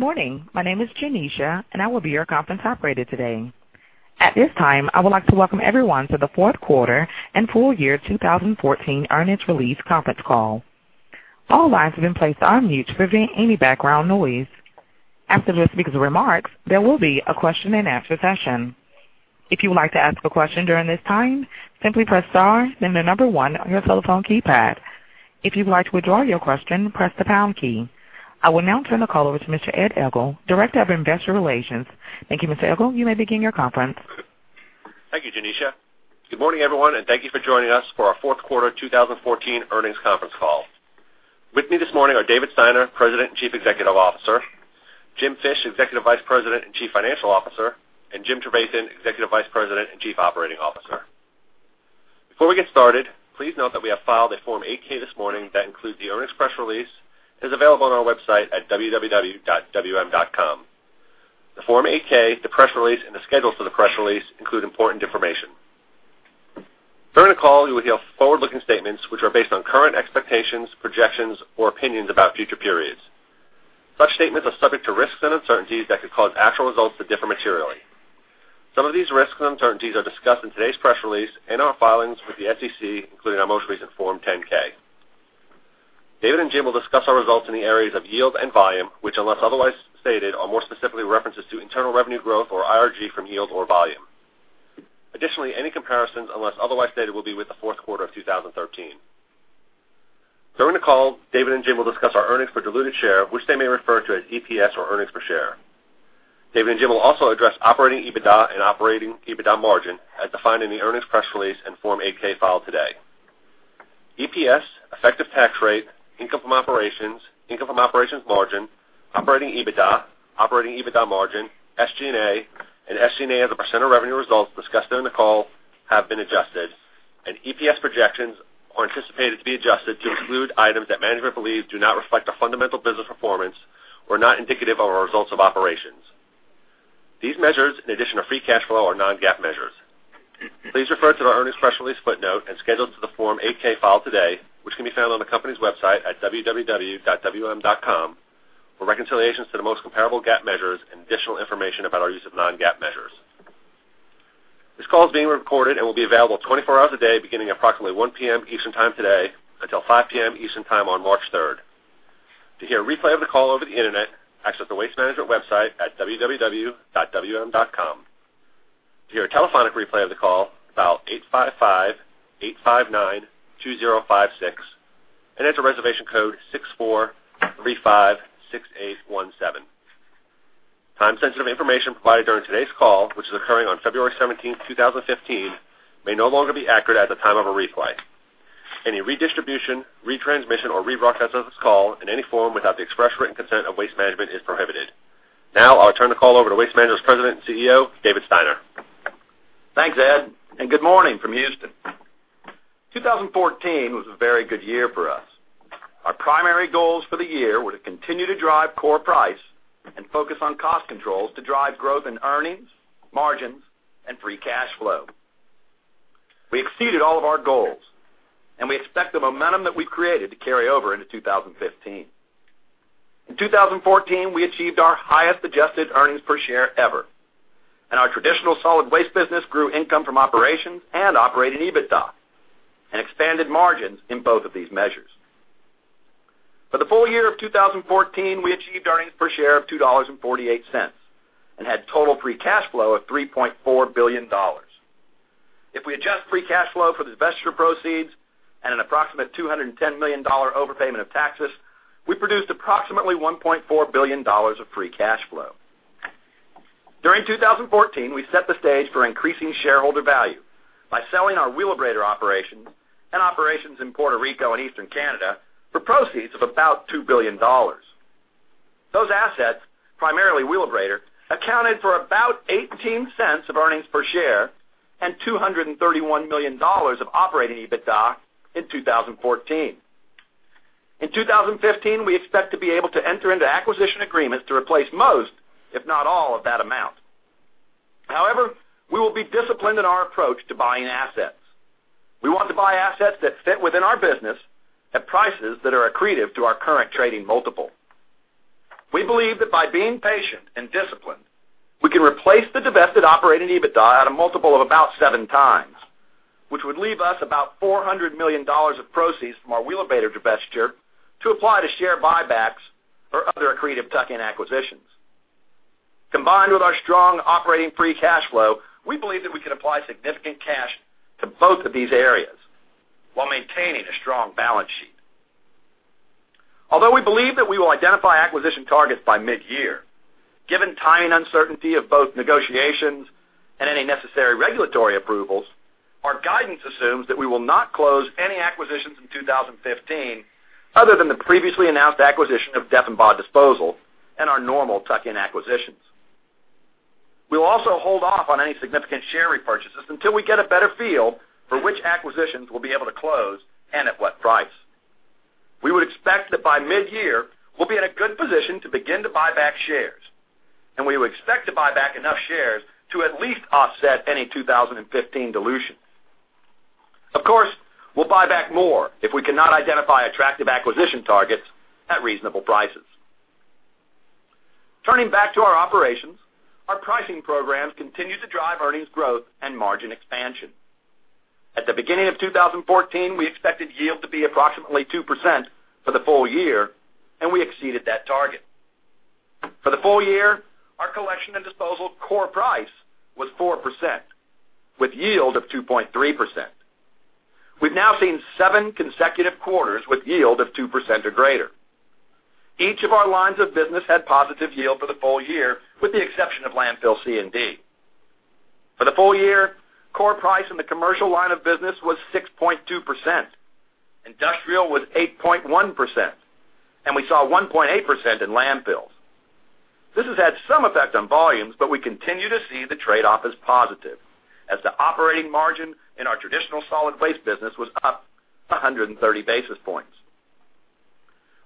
Good morning. I will be your conference operator today. At this time, I would like to welcome everyone to the fourth quarter and full year 2014 earnings release conference call. All lines have been placed on mute to prevent any background noise. After the speaker's remarks, there will be a question-and-answer session. If you would like to ask a question during this time, simply press star then the number one on your telephone keypad. If you would like to withdraw your question, press the pound key. I will now turn the call over to Mr. Ed Egl, Director of Investor Relations. Thank you, Mr. Engel. You may begin your conference. Thank you, Janisha. Good morning, everyone. Thank you for joining us for our fourth quarter 2014 earnings conference call. With me this morning are David Steiner, President and Chief Executive Officer, Jim Fish, Executive Vice President and Chief Financial Officer, and Jim Trevathan, Executive Vice President and Chief Operating Officer. Before we get started, please note that we have filed a Form 8-K this morning that includes the earnings press release, and is available on our website at www.wm.com. The Form 8-K, the press release, and the schedules for the press release include important information. During the call, you will hear forward-looking statements which are based on current expectations, projections, or opinions about future periods. Such statements are subject to risks and uncertainties that could cause actual results to differ materially. Some of these risks and uncertainties are discussed in today's press release and our filings with the SEC, including our most recent Form 10-K. David and Jim will discuss our results in the areas of yield and volume, which unless otherwise stated, are more specifically references to internal revenue growth, or IRG, from yield or volume. Additionally, any comparisons, unless otherwise stated, will be with the fourth quarter of 2013. During the call, David and Jim will discuss our earnings per diluted share, which they may refer to as EPS or earnings per share. David and Jim will also address operating EBITDA and operating EBITDA margin as defined in the earnings press release and Form 8-K filed today. EPS, effective tax rate, income from operations, income from operations margin, operating EBITDA, operating EBITDA margin, SG&A, and SG&A as a % of revenue results discussed during the call have been adjusted. EPS projections are anticipated to be adjusted to include items that management believes do not reflect a fundamental business performance or not indicative of our results of operations. These measures, in addition to free cash flow are non-GAAP measures. Please refer to our earnings press release footnote and schedules to the Form 8-K filed today, which can be found on the company's website at www.wm.com for reconciliations to the most comparable GAAP measures and additional information about our use of non-GAAP measures. This call is being recorded and will be available 24 hours a day beginning at approximately 1:00 P.M. Eastern Time today until 5:00 P.M. Eastern Time on March 3rd. To hear a replay of the call over the internet, access the Waste Management website at www.wm.com. To hear a telephonic replay of the call, dial 855-859-2056 and enter reservation code 64356817. Time-sensitive information provided during today's call, which is occurring on February 17th, 2015, may no longer be accurate at the time of a replay. Any redistribution, retransmission, or rebroadcast of this call in any form without the express written consent of Waste Management is prohibited. Now, I'll turn the call over to Waste Management's President and CEO, David Steiner. Thanks, Ed, and good morning from Houston. 2014 was a very good year for us. Our primary goals for the year were to continue to drive core price and focus on cost controls to drive growth and earnings, margins, and free cash flow. We exceeded all of our goals, and we expect the momentum that we've created to carry over into 2015. In 2014, we achieved our highest adjusted earnings per share ever, and our traditional solid waste business grew income from operations and operating EBITDA and expanded margins in both of these measures. For the full year of 2014, we achieved earnings per share of $2.48 and had total free cash flow of $3.4 billion. If we adjust free cash flow for divestiture proceeds and an approximate $210 million overpayment of taxes, we produced approximately $1.4 billion of free cash flow. During 2014, we set the stage for increasing shareholder value by selling our Wheelabrator operations and operations in Puerto Rico and Eastern Canada for proceeds of about $2 billion. Those assets, primarily Wheelabrator, accounted for about $0.18 of earnings per share and $231 million of operating EBITDA in 2014. In 2015, we expect to be able to enter into acquisition agreements to replace most, if not all, of that amount. However, we will be disciplined in our approach to buying assets. We want to buy assets that fit within our business at prices that are accretive to our current trading multiple. We believe that by being patient and disciplined, we can replace the divested operating EBITDA at a multiple of about seven times, which would leave us about $400 million of proceeds from our Wheelabrator divestiture to apply to share buybacks or other accretive tuck-in acquisitions. Combined with our strong operating free cash flow, we believe that we can apply significant cash to both of these areas while maintaining a strong balance sheet. Although we believe that we will identify acquisition targets by mid-year, given time and uncertainty of both negotiations and any necessary regulatory approvals, our guidance assumes that we will not close any acquisitions in 2015 other than the previously announced acquisition of Deffenbaugh Disposal and our normal tuck-in acquisitions. We will also hold off on any significant share repurchases until we get a better feel for which acquisitions we'll be able to close and at what price. We would expect that by mid-year, we'll be in a good position to begin to buy back shares, and we would expect to buy back enough shares to at least offset any 2015 dilution. Of course, we'll buy back more if we cannot identify attractive acquisition targets at reasonable prices. Turning back to our operations, our pricing programs continue to drive earnings growth and margin expansion. At the beginning of 2014, we expected yield to be approximately 2% for the full year, and we exceeded that target. For the full year, our collection and disposal core price was 4%, with yield of 2.3%. We've now seen seven consecutive quarters with yield of 2% or greater. Each of our lines of business had positive yield for the full year, with the exception of landfill C&D. For the full year, core price in the commercial line of business was 6.2%. Industrial was 8.1%. We saw 1.8% in landfills. We continue to see the trade-off as positive, as the operating margin in our traditional solid waste business was up 130 basis points.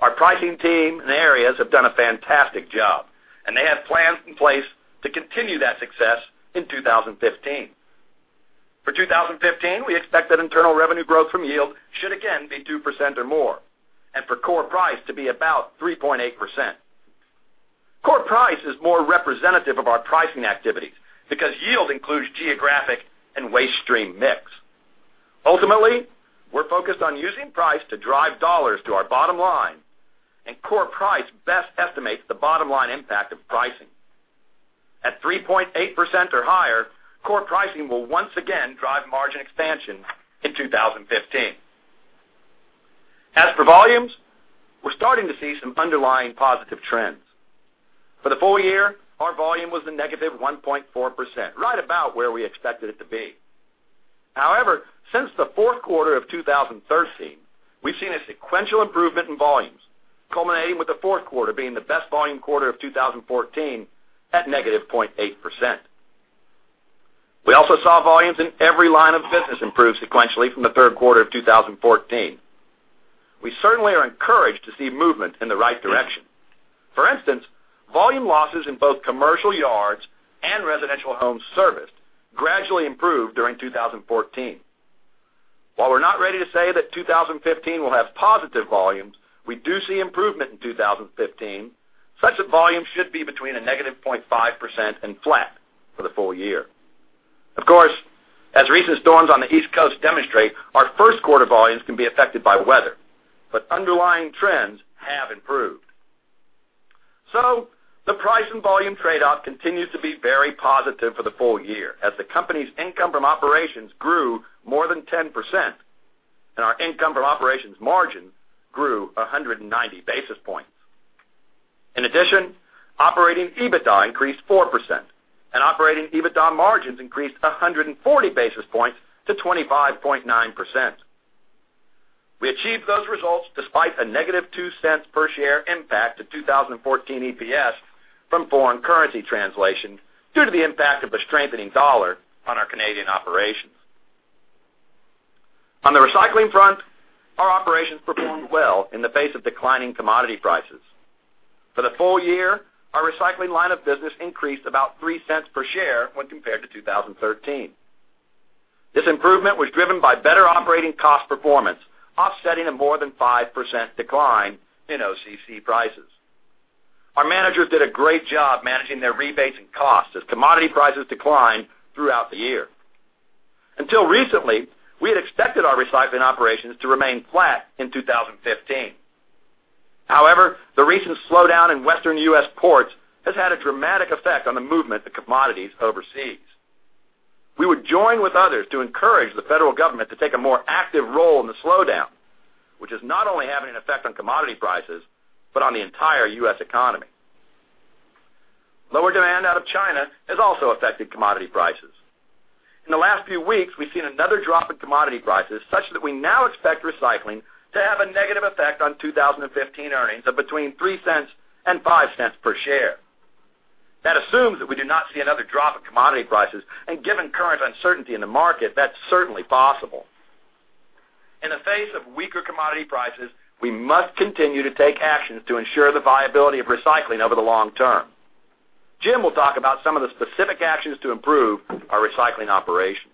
Our pricing team in the areas have done a fantastic job. They have plans in place to continue that success in 2015. For 2015, we expect that internal revenue growth from yield should again be 2% or more. For core price to be about 3.8%. Core price is more representative of our pricing activities because yield includes geographic and waste stream mix. Ultimately, we're focused on using price to drive dollars to our bottom line. Core price best estimates the bottom-line impact of pricing. At 3.8% or higher, core pricing will once again drive margin expansion in 2015. As for volumes, we're starting to see some underlying positive trends. For the full year, our volume was a negative 1.4%, right about where we expected it to be. However, since the fourth quarter of 2013, we've seen a sequential improvement in volumes, culminating with the fourth quarter being the best volume quarter of 2014 at negative 0.8%. We also saw volumes in every line of business improve sequentially from the third quarter of 2014. We certainly are encouraged to see movement in the right direction. For instance, volume losses in both commercial yards and residential homes serviced gradually improved during 2014. While we're not ready to say that 2015 will have positive volumes, we do see improvement in 2015, such that volume should be between a negative 0.5% and flat for the full year. Of course, as recent storms on the East Coast demonstrate, our first quarter volumes can be affected by weather. Underlying trends have improved. The price and volume trade-off continues to be very positive for the full year, as the company's income from operations grew more than 10%. Our income from operations margin grew 190 basis points. In addition, operating EBITDA increased 4%. Operating EBITDA margins increased 140 basis points to 25.9%. We achieved those results despite a negative $0.02 per share impact to 2014 EPS from foreign currency translation due to the impact of the strengthening dollar on our Canadian operations. On the recycling front, our operations performed well in the face of declining commodity prices. For the full year, our recycling line of business increased about $0.03 per share when compared to 2013. This improvement was driven by better operating cost performance, offsetting a more than 5% decline in OCC prices. Our managers did a great job managing their rebates and costs as commodity prices declined throughout the year. Until recently, we had expected our recycling operations to remain flat in 2015. However, the recent slowdown in Western U.S. ports has had a dramatic effect on the movement of commodities overseas. We would join with others to encourage the federal government to take a more active role in the slowdown, which is not only having an effect on commodity prices, but on the entire U.S. economy. Lower demand out of China has also affected commodity prices. In the last few weeks, we've seen another drop in commodity prices, such that we now expect recycling to have a negative effect on 2015 earnings of between $0.03 and $0.05 per share. That assumes that we do not see another drop in commodity prices, and given current uncertainty in the market, that's certainly possible. In the face of weaker commodity prices, we must continue to take actions to ensure the viability of recycling over the long term. Jim will talk about some of the specific actions to improve our recycling operations.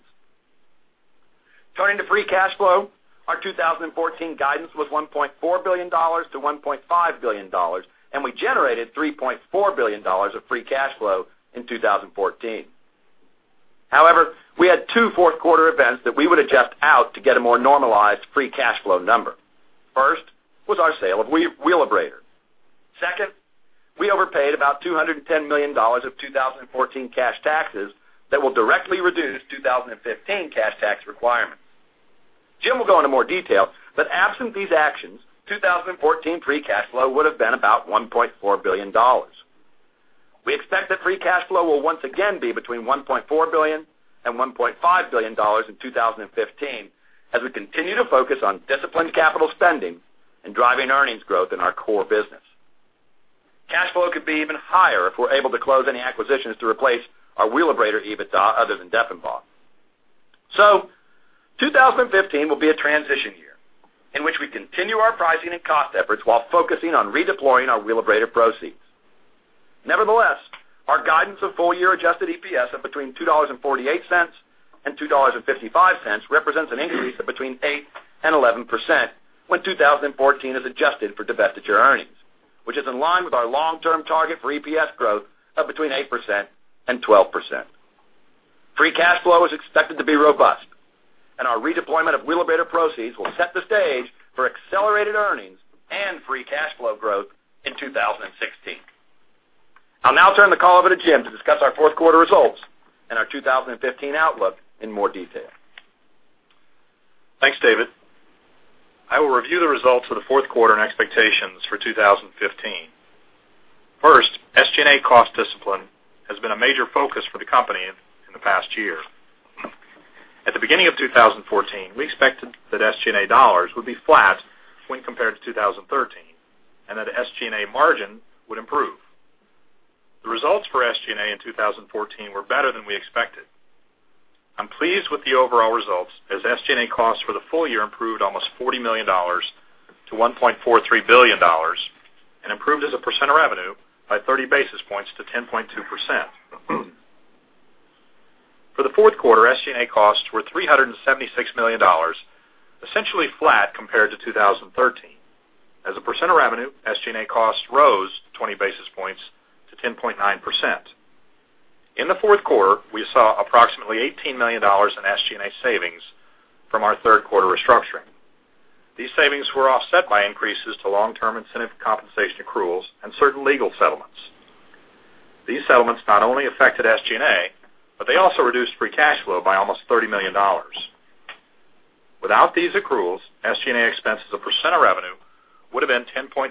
Turning to free cash flow, our 2014 guidance was $1.4 billion-$1.5 billion, and we generated $3.4 billion of free cash flow in 2014. However, we had two fourth quarter events that we would adjust out to get a more normalized free cash flow number. First was our sale of Wheelabrator. Second, we overpaid about $210 million of 2014 cash taxes that will directly reduce 2015 cash tax requirements. Jim will go into more detail, but absent these actions, 2014 free cash flow would have been about $1.4 billion. We expect that free cash flow will once again be between $1.4 billion and $1.5 billion in 2015 as we continue to focus on disciplined capital spending and driving earnings growth in our core business. Cash flow could be even higher if we're able to close any acquisitions to replace our Wheelabrator EBITDA other than Deffenbaugh. 2015 will be a transition year in which we continue our pricing and cost efforts while focusing on redeploying our Wheelabrator proceeds. Nevertheless, our guidance of full-year adjusted EPS of between $2.48 and $2.55 represents an increase of between 8% and 11% when 2014 is adjusted for divested year earnings, which is in line with our long-term target for EPS growth of between 8% and 12%. Free cash flow is expected to be robust, our redeployment of Wheelabrator proceeds will set the stage for accelerated earnings and free cash flow growth in 2016. I'll now turn the call over to Jim to discuss our fourth quarter results and our 2015 outlook in more detail. Thanks, David. I will review the results for the fourth quarter and expectations for 2015. First, SG&A cost discipline has been a major focus for the company in the past year. At the beginning of 2014, we expected that SG&A dollars would be flat when compared to 2013, and that SG&A margin would improve. The results for SG&A in 2014 were better than we expected. I'm pleased with the overall results, as SG&A costs for the full year improved almost $40 million to $1.43 billion, and improved as a percent of revenue by 30 basis points to 10.2%. For the fourth quarter, SG&A costs were $376 million, essentially flat compared to 2013. As a percent of revenue, SG&A costs rose 20 basis points to 10.9%. In the fourth quarter, we saw approximately $18 million in SG&A savings from our third quarter restructuring. These savings were offset by increases to long-term incentive compensation accruals and certain legal settlements. These settlements not only affected SG&A, but they also reduced free cash flow by almost $30 million. Without these accruals, SG&A expenses as a percent of revenue would've been 10.3%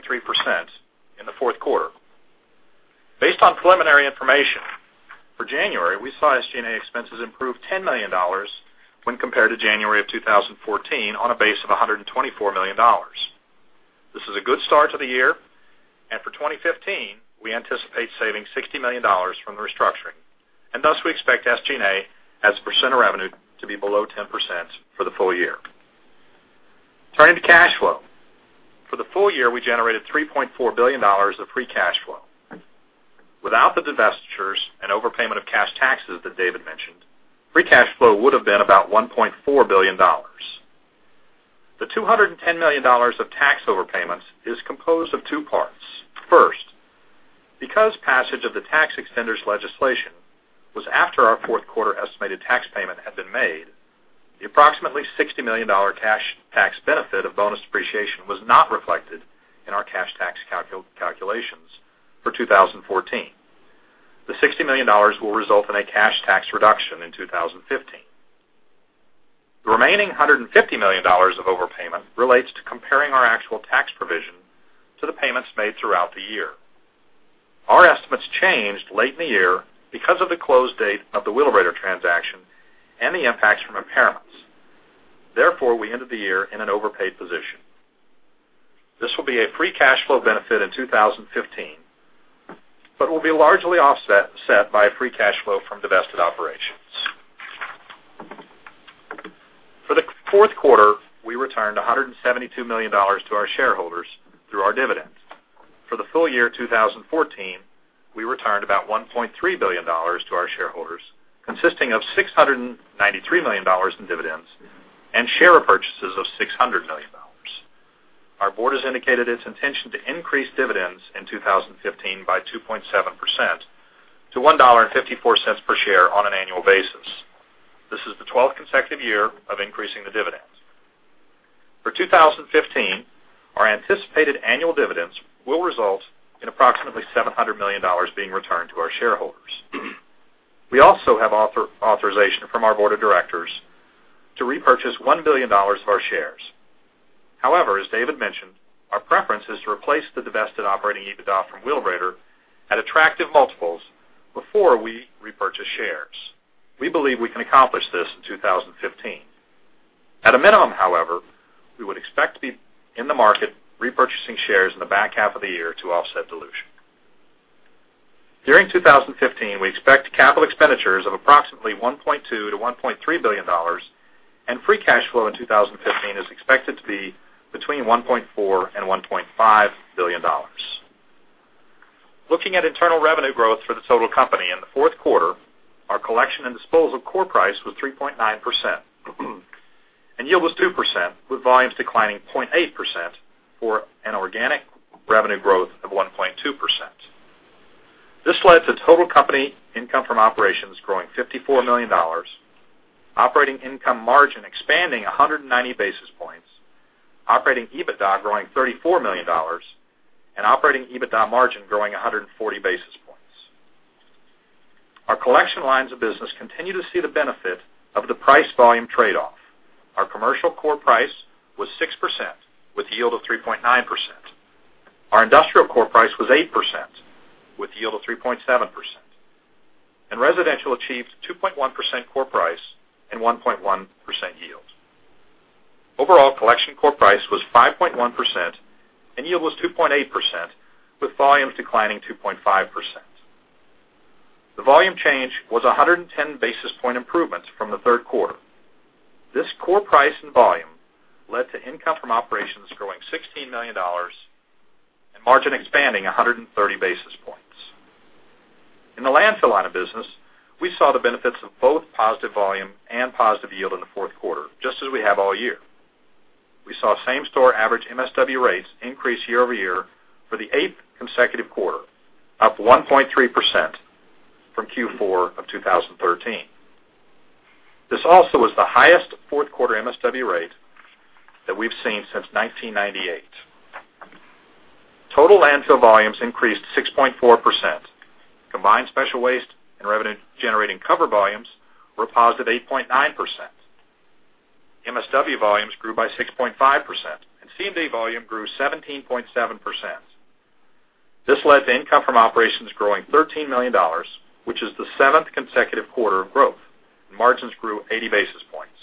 in the fourth quarter. Based on preliminary information, for January, we saw SG&A expenses improve $10 million when compared to January of 2014 on a base of $124 million. This is a good start to the year. For 2015, we anticipate saving $60 million from the restructuring, and thus, we expect SG&A as a percent of revenue to be below 10% for the full year. Turning to cash flow. For the full year, we generated $3.4 billion of free cash flow. Without the divestitures and overpayment of cash taxes that David mentioned, free cash flow would've been about $1.4 billion. The $210 million of tax overpayments is composed of two parts. First, because passage of the tax extender's legislation was after our fourth quarter estimated tax payment had been made, the approximately $60 million cash tax benefit of bonus depreciation was not reflected in our cash tax calculations for 2014. The $60 million will result in a cash tax reduction in 2015. The remaining $150 million of overpayment relates to comparing our actual tax provision to the payments made throughout the year. Our estimates changed late in the year because of the close date of the Wheelabrator transaction and the impacts from impairments. Therefore, we ended the year in an overpaid position. This will be a free cash flow benefit in 2015, but will be largely offset by free cash flow from divested operations. For the fourth quarter, we returned $172 million to our shareholders through our dividends. For the full year 2014, we returned about $1.3 billion to our shareholders, consisting of $693 million in dividends and share repurchases of $600 million. Our board has indicated its intention to increase dividends in 2015 by 2.7% to $1.54 per share on an annual basis. This is the 12th consecutive year of increasing the dividends. For 2015, our anticipated annual dividends will result in approximately $700 million being returned to our shareholders. We also have authorization from our board of directors to repurchase $1 billion of our shares. However, as David mentioned, our preference is to replace the divested operating EBITDA from Wheelabrator at attractive multiples before we repurchase shares. We believe we can accomplish this in 2015. At a minimum, however, we would expect to be in the market repurchasing shares in the back half of the year to offset dilution. During 2015, we expect capital expenditures of approximately $1.2 billion to $1.3 billion, and free cash flow in 2015 is expected to be between $1.4 billion and $1.5 billion. Looking at internal revenue growth for the total company in the fourth quarter, our collection and disposal core price was 3.9% and yield was 2%, with volumes declining 0.8% for an organic revenue growth of 1.2%. This led to total company income from operations growing $54 million, operating income margin expanding 190 basis points, operating EBITDA growing $34 million, and operating EBITDA margin growing 140 basis points. Our collection lines of business continue to see the benefit of the price-volume trade-off. Our commercial core price was 6%, with yield of 3.9%. Our industrial core price was 8%, with yield of 3.7%. Residential achieved 2.1% core price and 1.1% yield. Overall, collection core price was 5.1% and yield was 2.8%, with volumes declining 2.5%. The volume change was 110 basis point improvements from the third quarter. This core price and volume led to income from operations growing $16 million and margin expanding 130 basis points. In the landfill line of business, we saw the benefits of both positive volume and positive yield in the fourth quarter, just as we have all year. We saw same-store average MSW rates increase year-over-year for the eighth consecutive quarter, up 1.3% from Q4 of 2013. This also is the highest fourth quarter MSW rate that we've seen since 1998. Total landfill volumes increased 6.4%. Combined special waste and revenue-generating cover volumes were a positive 8.9%. MSW volumes grew by 6.5% and C&D volume grew 17.7%. This led to income from operations growing $13 million, which is the seventh consecutive quarter of growth, and margins grew 80 basis points.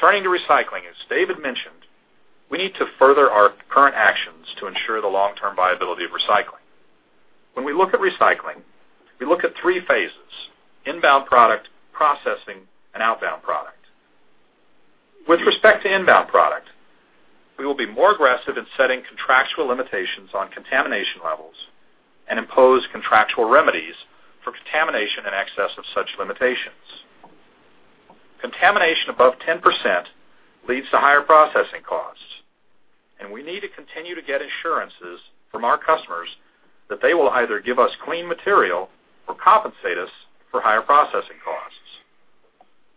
Turning to recycling, as David mentioned, we need to further our current actions to ensure the long-term viability of recycling. When we look at recycling, we look at three phases: inbound product, processing, and outbound product. With respect to inbound product, we will be more aggressive in setting contractual limitations on contamination levels and impose contractual remedies for contamination in excess of such limitations. Contamination above 10% leads to higher processing costs, and we need to continue to get assurances from our customers that they will either give us clean material or compensate us for higher processing costs.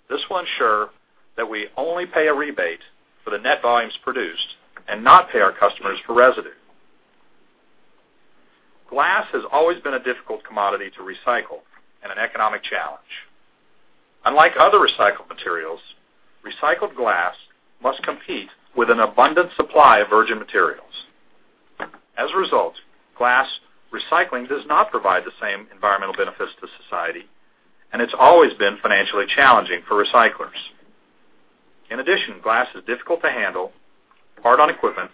This will ensure that we only pay a rebate for the net volumes produced and not pay our customers for residue. Glass has always been a difficult commodity to recycle and an economic challenge. Unlike other recycled materials, recycled glass must compete with an abundant supply of virgin materials. As a result, glass recycling does not provide the same environmental benefits to society, and it's always been financially challenging for recyclers. In addition, glass is difficult to handle, hard on equipment,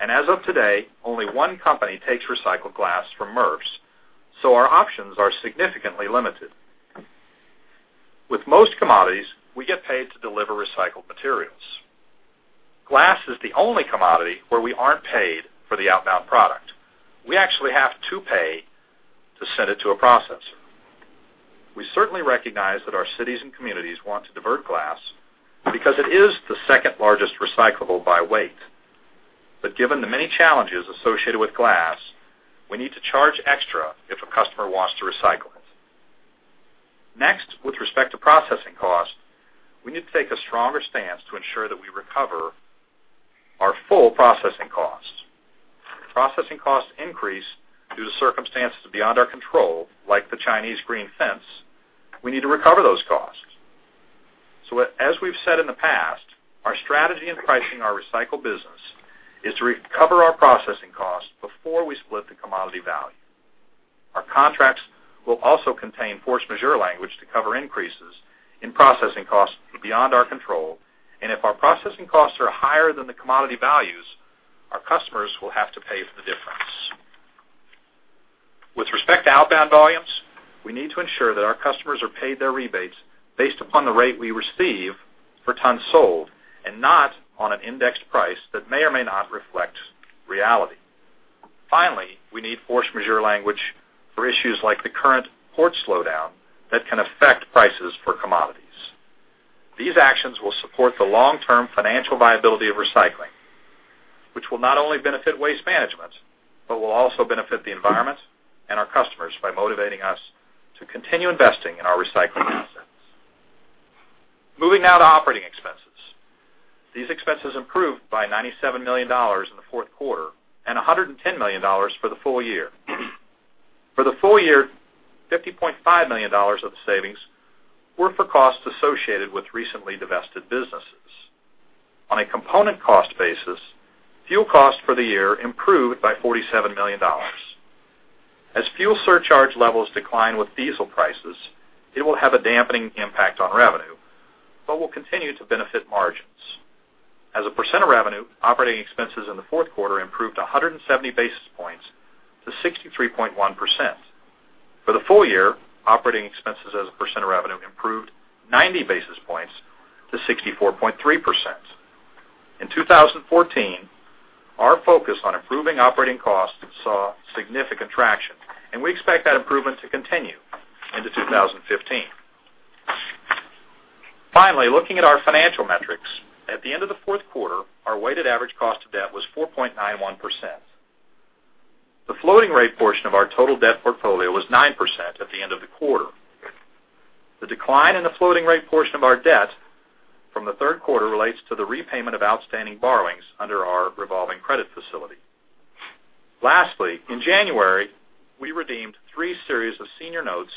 and as of today, only one company takes recycled glass from MRFs, so our options are significantly limited. With most commodities, we get paid to deliver recycled materials. Glass is the only commodity where we aren't paid for the outbound product. We actually have to pay to send it to a processor. We certainly recognize that our cities and communities want to divert glass because it is the second-largest recyclable by weight. Given the many challenges associated with glass, we need to charge extra if a customer wants to recycle it. Next, with respect to processing cost, we need to take a stronger stance to ensure that we recover our full processing costs. Processing costs increase due to circumstances beyond our control, like the Chinese Green Fence. We need to recover those costs. As we've said in the past, our strategy in pricing our recycle business is to recover our processing costs before we split the commodity value. Our contracts will also contain force majeure language to cover increases in processing costs beyond our control. If our processing costs are higher than the commodity values, our customers will have to pay for the difference. With respect to outbound volumes, we need to ensure that our customers are paid their rebates based upon the rate we receive for tons sold and not on an indexed price that may or may not reflect reality. Finally, we need force majeure language for issues like the current port slowdown that can affect prices for commodities. These actions will support the long-term financial viability of recycling, which will not only benefit Waste Management, but will also benefit the environment and our customers by motivating us to continue investing in our recycling assets. Moving now to operating expenses. These expenses improved by $97 million in the fourth quarter and $110 million for the full year. For the full year, $50.5 million of the savings were for costs associated with recently divested businesses. On a component cost basis, fuel costs for the year improved by $47 million. Fuel surcharge levels decline with diesel prices, it will have a dampening impact on revenue, but will continue to benefit margins. As a percent of revenue, operating expenses in the fourth quarter improved 170 basis points to 63.1%. For the full year, operating expenses as a percent of revenue improved 90 basis points to 64.3%. In 2014, our focus on improving operating costs saw significant traction, and we expect that improvement to continue into 2015. Finally, looking at our financial metrics. At the end of the fourth quarter, our weighted average cost of debt was 4.91%. The floating rate portion of our total debt portfolio was 9% at the end of the quarter. The decline in the floating rate portion of our debt from the third quarter relates to the repayment of outstanding borrowings under our revolving credit facility. Lastly, in January, we redeemed three series of senior notes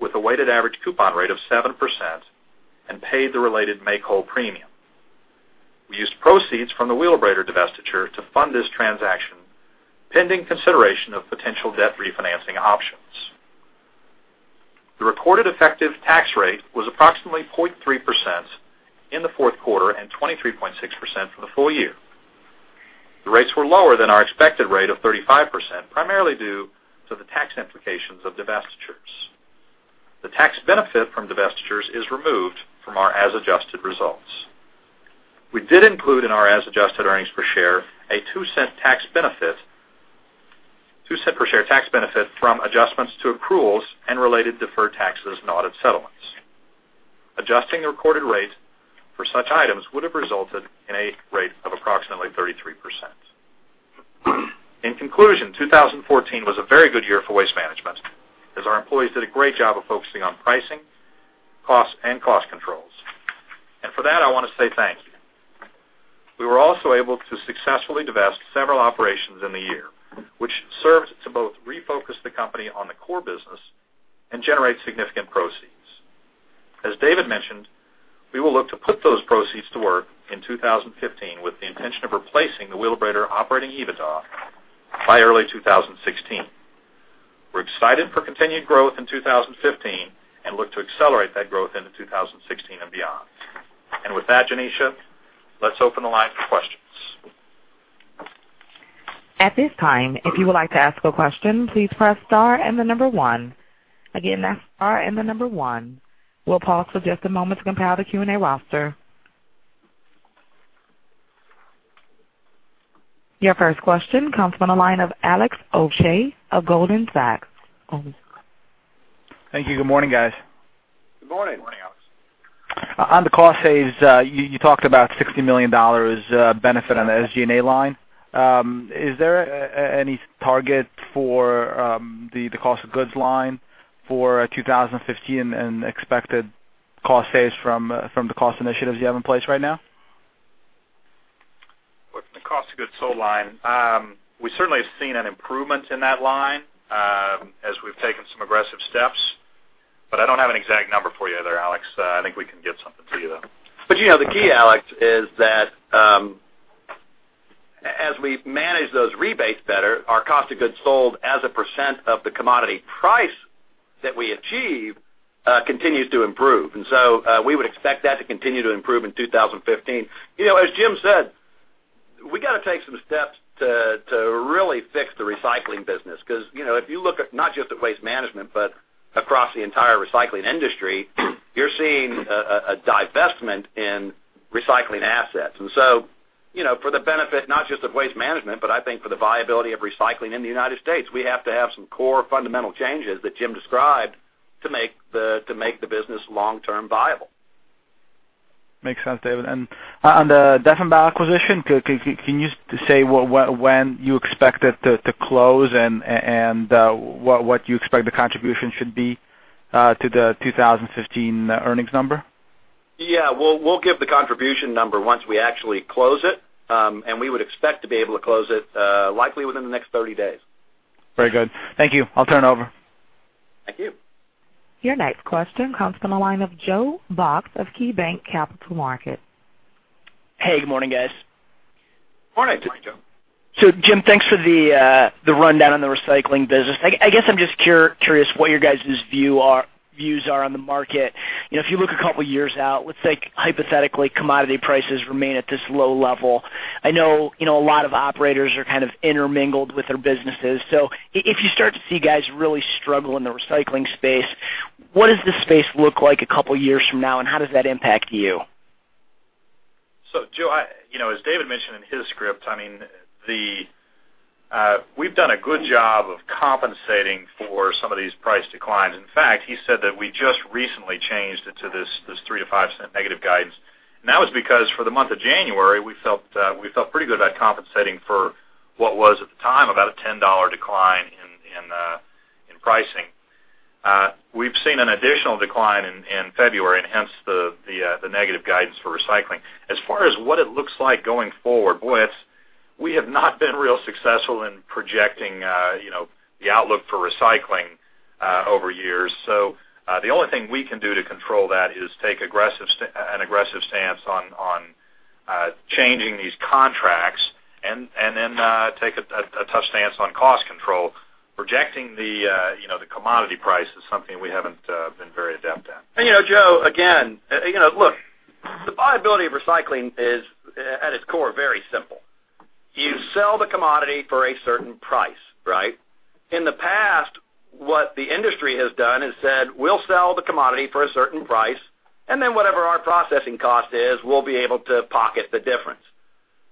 with a weighted average coupon rate of 7% and paid the related make-whole premium. We used proceeds from the Wheelabrator divestiture to fund this transaction, pending consideration of potential debt refinancing options. Our recorded effective tax rate was approximately 0.3% in the fourth quarter and 23.6% for the full year. The rates were lower than our expected rate of 35%, primarily due to the tax implications of divestitures. The tax benefit from divestitures is removed from our as-adjusted results. We did include in our as-adjusted earnings per share a $0.02 tax benefit, $0.02 per share tax benefit from adjustments to accruals and related deferred taxes and audit settlements. Adjusting the recorded rate for such items would have resulted in a rate of approximately 33%. In conclusion, 2014 was a very good year for Waste Management, as our employees did a great job of focusing on pricing, costs, and cost controls. For that, I want to say thank you. We were also able to successfully divest several operations in the year, which serves to both refocus the company on the core business and generate significant proceeds. As David mentioned, we will look to put those proceeds to work in 2015 with the intention of replacing the Wheelabrator operating EBITDA by early 2016. We're excited for continued growth in 2015 and look to accelerate that growth into 2016 and beyond. With that, Janisha, let's open the line for questions. At this time, if you would like to ask a question, please press star and the number one. Again, that's star and the number one. We'll pause for just a moment to compile the Q&A roster. Your first question comes from the line of Alex Ovshey of Goldman Sachs. Thank you. Good morning, guys. Good morning. Good morning, Alex. On the cost saves, you talked about $60 million benefit on the SG&A line. Is there any target for the cost of goods line for 2015 and expected cost saves from the cost initiatives you have in place right now? With the cost of goods sold line, we certainly have seen an improvement in that line as we've taken some aggressive steps. I don't have an exact number for you there, Alex. I think we can get something to you, though. The key, Alex, is that as we manage those rebates better, our cost of goods sold as a % of the commodity price that we achieve continues to improve. We would expect that to continue to improve in 2015. As Jim said, we got to take some steps to really fix the recycling business because if you look at not just at Waste Management, but across the entire recycling industry, you're seeing a divestment in recycling assets. For the benefit not just of Waste Management, but I think for the viability of recycling in the United States, we have to have some core fundamental changes that Jim described to make the business long-term viable. Makes sense, David. On the Deffenbaugh acquisition, can you say when you expect it to close and what you expect the contribution should be to the 2015 earnings number? Yeah. We'll give the contribution number once we actually close it, and we would expect to be able to close it likely within the next 30 days. Very good. Thank you. I'll turn over. Thank you. Your next question comes from the line of Joe Box of KeyBanc Capital Markets. Hey, good morning, guys. Morning. Morning, Joe. Jim, thanks for the rundown on the recycling business. I guess I'm just curious what your guys' views are on the market. If you look a couple of years out, let's say hypothetically, commodity prices remain at this low level. I know a lot of operators are kind of intermingled with their businesses. If you start to see guys really struggle in the recycling space, what does this space look like a couple of years from now, and how does that impact you? Joe, as David mentioned in his script, we've done a good job of compensating for some of these price declines. In fact, he said that we just recently changed it to this $0.03-$0.05 negative guidance. That was because for the month of January, we felt pretty good about compensating for what was at the time, about a $10 decline in pricing. We've seen an additional decline in February hence the negative guidance for recycling. As far as what it looks like going forward, boy, we have not been real successful in projecting the outlook for recycling over years. The only thing we can do to control that is take an aggressive stance on changing these contracts and then take a tough stance on cost control. Projecting the commodity price is something we haven't been very adept at. Joe, again, look, the viability of recycling is at its core very simple. You sell the commodity for a certain price, right? In the past, what the industry has done is said, we'll sell the commodity for a certain price, and then whatever our processing cost is, we'll be able to pocket the difference.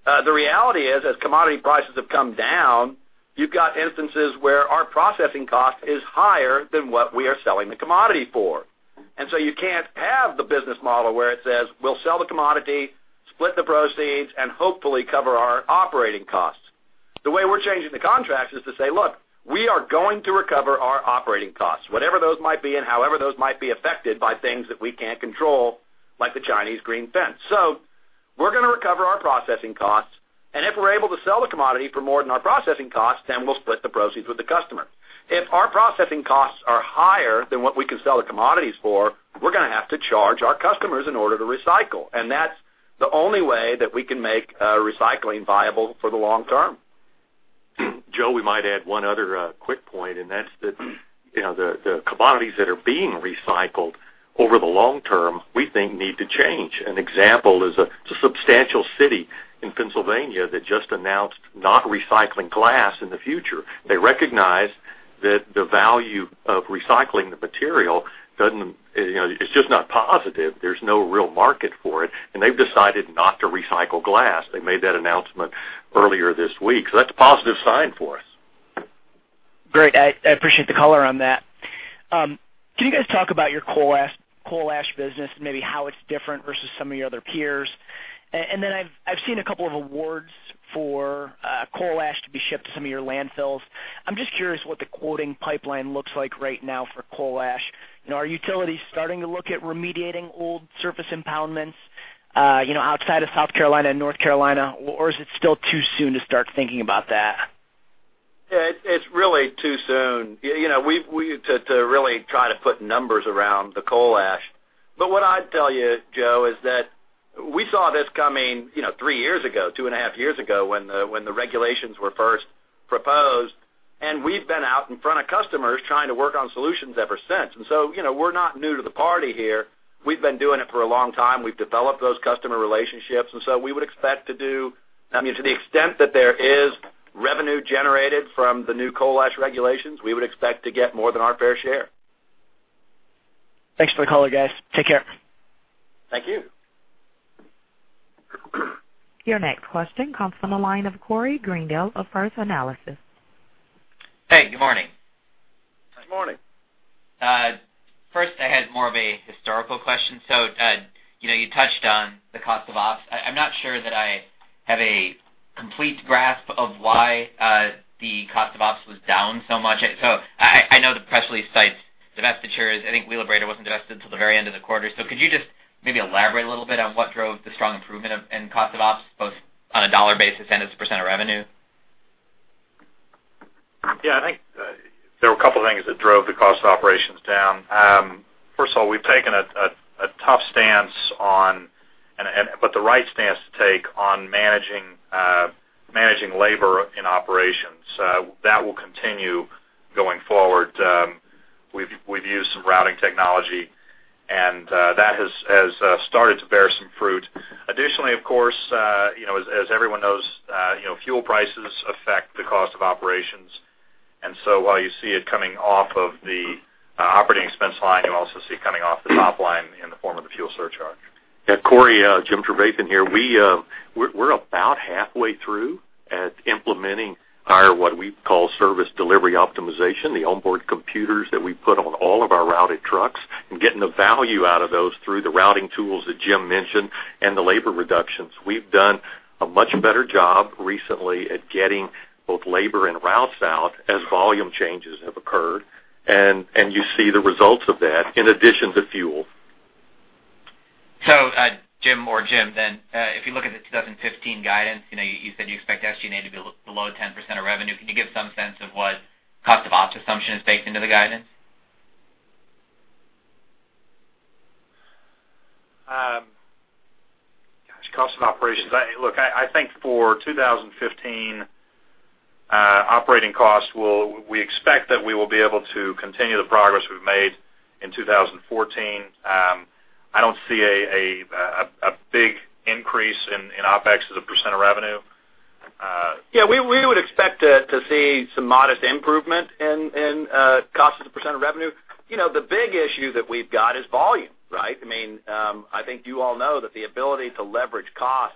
The reality is as commodity prices have come down, you've got instances where our processing cost is higher than what we are selling the commodity for. You can't have the business model where it says, we'll sell the commodity, split the proceeds, and hopefully cover our operating costs. The way we're changing the contracts is to say, look, we are going to recover our operating costs, whatever those might be and however those might be affected by things that we can't control, like the Chinese Green Fence. We're going to recover our processing costs, and if we're able to sell the commodity for more than our processing costs, then we'll split the proceeds with the customer. If our processing costs are higher than what we can sell the commodities for, we're going to have to charge our customers in order to recycle. That's the only way that we can make recycling viable for the long term. Joe, we might add one other quick point, that's that the commodities that are being recycled over the long term, we think need to change. An example is a substantial city in Pennsylvania that just announced not recycling glass in the future. They recognize that the value of recycling the material, it's just not positive. There's no real market for it, and they've decided not to recycle glass. They made that announcement earlier this week. That's a positive sign for us. Great. I appreciate the color on that. Can you guys talk about your coal ash business, and maybe how it's different versus some of your other peers? I've seen a couple of awards for coal ash to be shipped to some of your landfills. I'm just curious what the quoting pipeline looks like right now for coal ash. Are utilities starting to look at remediating old surface impoundments outside of South Carolina and North Carolina, or is it still too soon to start thinking about that? It's really too soon to really try to put numbers around the coal ash. What I'd tell you, Joe, is that we saw this coming three years ago, two and a half years ago, when the regulations were first proposed. We've been out in front of customers trying to work on solutions ever since. We're not new to the party here. We've been doing it for a long time. We've developed those customer relationships, and so to the extent that there is revenue generated from the new coal ash regulations, we would expect to get more than our fair share. Thanks for the color, guys. Take care. Thank you. Your next question comes from the line of Corey Greendale of First Analysis. Hey, good morning. Good morning. First, I had more of a historical question. You touched on the cost of ops. I'm not sure that I have a complete grasp of why the cost of ops was down so much. I know the press release cites divestitures. I think Wheelabrator wasn't divested till the very end of the quarter. Could you just maybe elaborate a little bit on what drove the strong improvement in cost of ops, both on a dollar basis and as a % of revenue? I think there were a couple of things that drove the cost of operations down. First of all, we've taken a tough stance, but the right stance to take on managing labor in operations. That will continue going forward. We've used some routing technology, and that has started to bear some fruit. Additionally, of course, as everyone knows, fuel prices affect the cost of operations. While you see it coming off of the operating expense line, you also see it coming off the top line in the form of the fuel surcharge. Corey, Jim Trevathan here. We're about halfway through at implementing our, what we call Service Delivery Optimization, the onboard computers that we put on all of our routed trucks, and getting the value out of those through the routing tools that Jim mentioned and the labor reductions. We've done a much better job recently at getting both labor and routes out as volume changes have occurred. You see the results of that in addition to fuel. Jim or Jim, if you look at the 2015 guidance, you said you expect SG&A to be below 10% of revenue. Can you give some sense of what cost of ops assumption is baked into the guidance? Gosh, cost of operations. Look, I think for 2015, operating costs, we expect that we will be able to continue the progress we've made in 2014. I don't see a big increase in opex as a percent of revenue. We would expect to see some modest improvement in cost as a % of revenue. The big issue that we've got is volume, right? I think you all know that the ability to leverage cost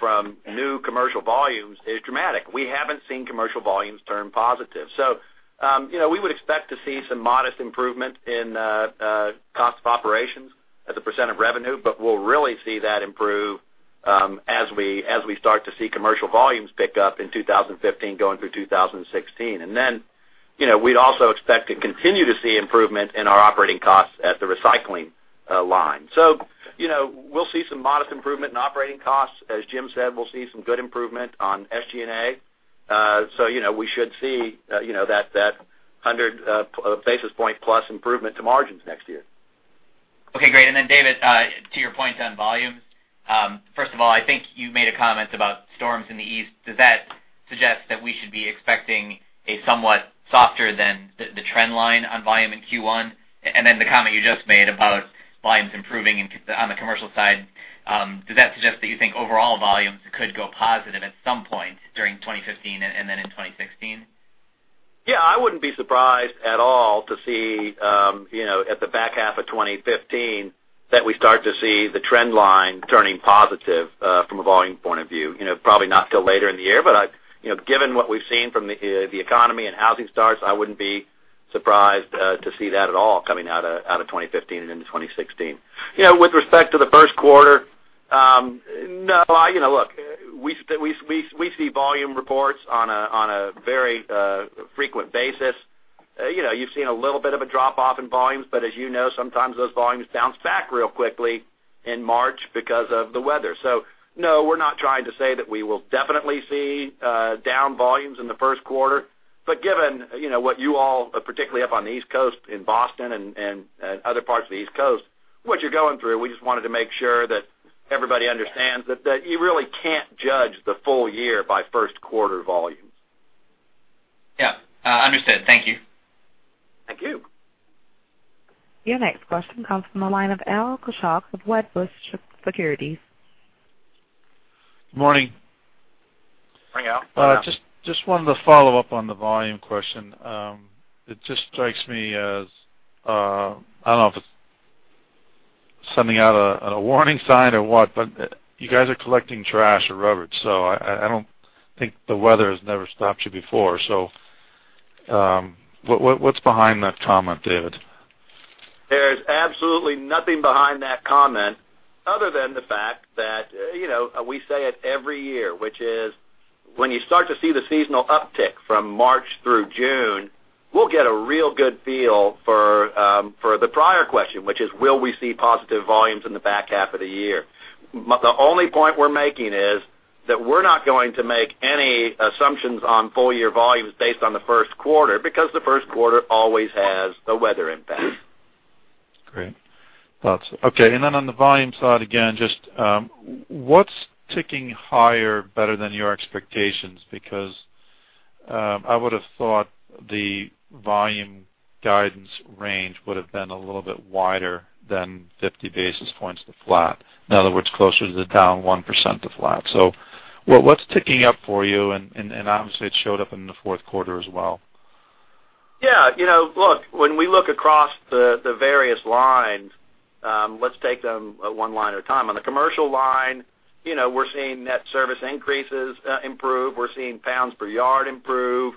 from new commercial volumes is dramatic. We haven't seen commercial volumes turn positive. We would expect to see some modest improvement in cost of operations as a % of revenue, but we'll really see that improve as we start to see commercial volumes pick up in 2015 going through 2016. We'd also expect to continue to see improvement in our operating costs at the recycling line. We'll see some modest improvement in operating costs. As Jim said, we'll see some good improvement on SG&A. We should see that 100 basis point plus improvement to margins next year. Okay, great. David, to your point on volumes. First of all, I think you made a comment about storms in the east. Does that suggest that we should be expecting a somewhat softer than the trend line on volume in Q1? The comment you just made about volumes improving on the commercial side, does that suggest that you think overall volumes could go positive at some point during 2015 and then in 2016? I wouldn't be surprised at all to see at the back half of 2015, that we start to see the trend line turning positive from a volume point of view. Probably not till later in the year, but given what we've seen from the economy and housing starts, I wouldn't be surprised to see that at all coming out of 2015 and into 2016. With respect to the first quarter, no. We see volume reports on a very frequent basis. You've seen a little bit of a drop-off in volumes, but as you know, sometimes those volumes bounce back real quickly in March because of the weather. No, we're not trying to say that we will definitely see down volumes in the first quarter. Given what you all, particularly up on the East Coast, in Boston and other parts of the East Coast, what you're going through, we just wanted to make sure that everybody understands that you really can't judge the full year by first quarter volumes. Yeah. Understood. Thank you. Thank you. Your next question comes from the line of Al Kaschalk of Wedbush Securities. Morning. Morning, Al, how are you? Just wanted to follow up on the volume question. It just strikes me as, I don't know if it's sending out a warning sign or what, but you guys are collecting trash or rubbish, I don't think the weather has never stopped you before. What's behind that comment, David? There's absolutely nothing behind that comment other than the fact that we say it every year, which is, when you start to see the seasonal uptick from March through June, we'll get a real good feel for the prior question, which is will we see positive volumes in the back half of the year? The only point we're making is that we're not going to make any assumptions on full year volumes based on the first quarter, because the first quarter always has a weather impact. Great. Thanks. On the volume side, again, just what's ticking higher, better than your expectations? I would've thought the volume guidance range would've been a little bit wider than 50 basis points to flat. In other words, closer to the down 1% to flat. What's ticking up for you? Obviously, it showed up in the fourth quarter as well. Yeah. Look, when we look across the various lines, let's take them one line at a time. On the commercial line, we're seeing net service increases improve. We're seeing pounds per yard improve,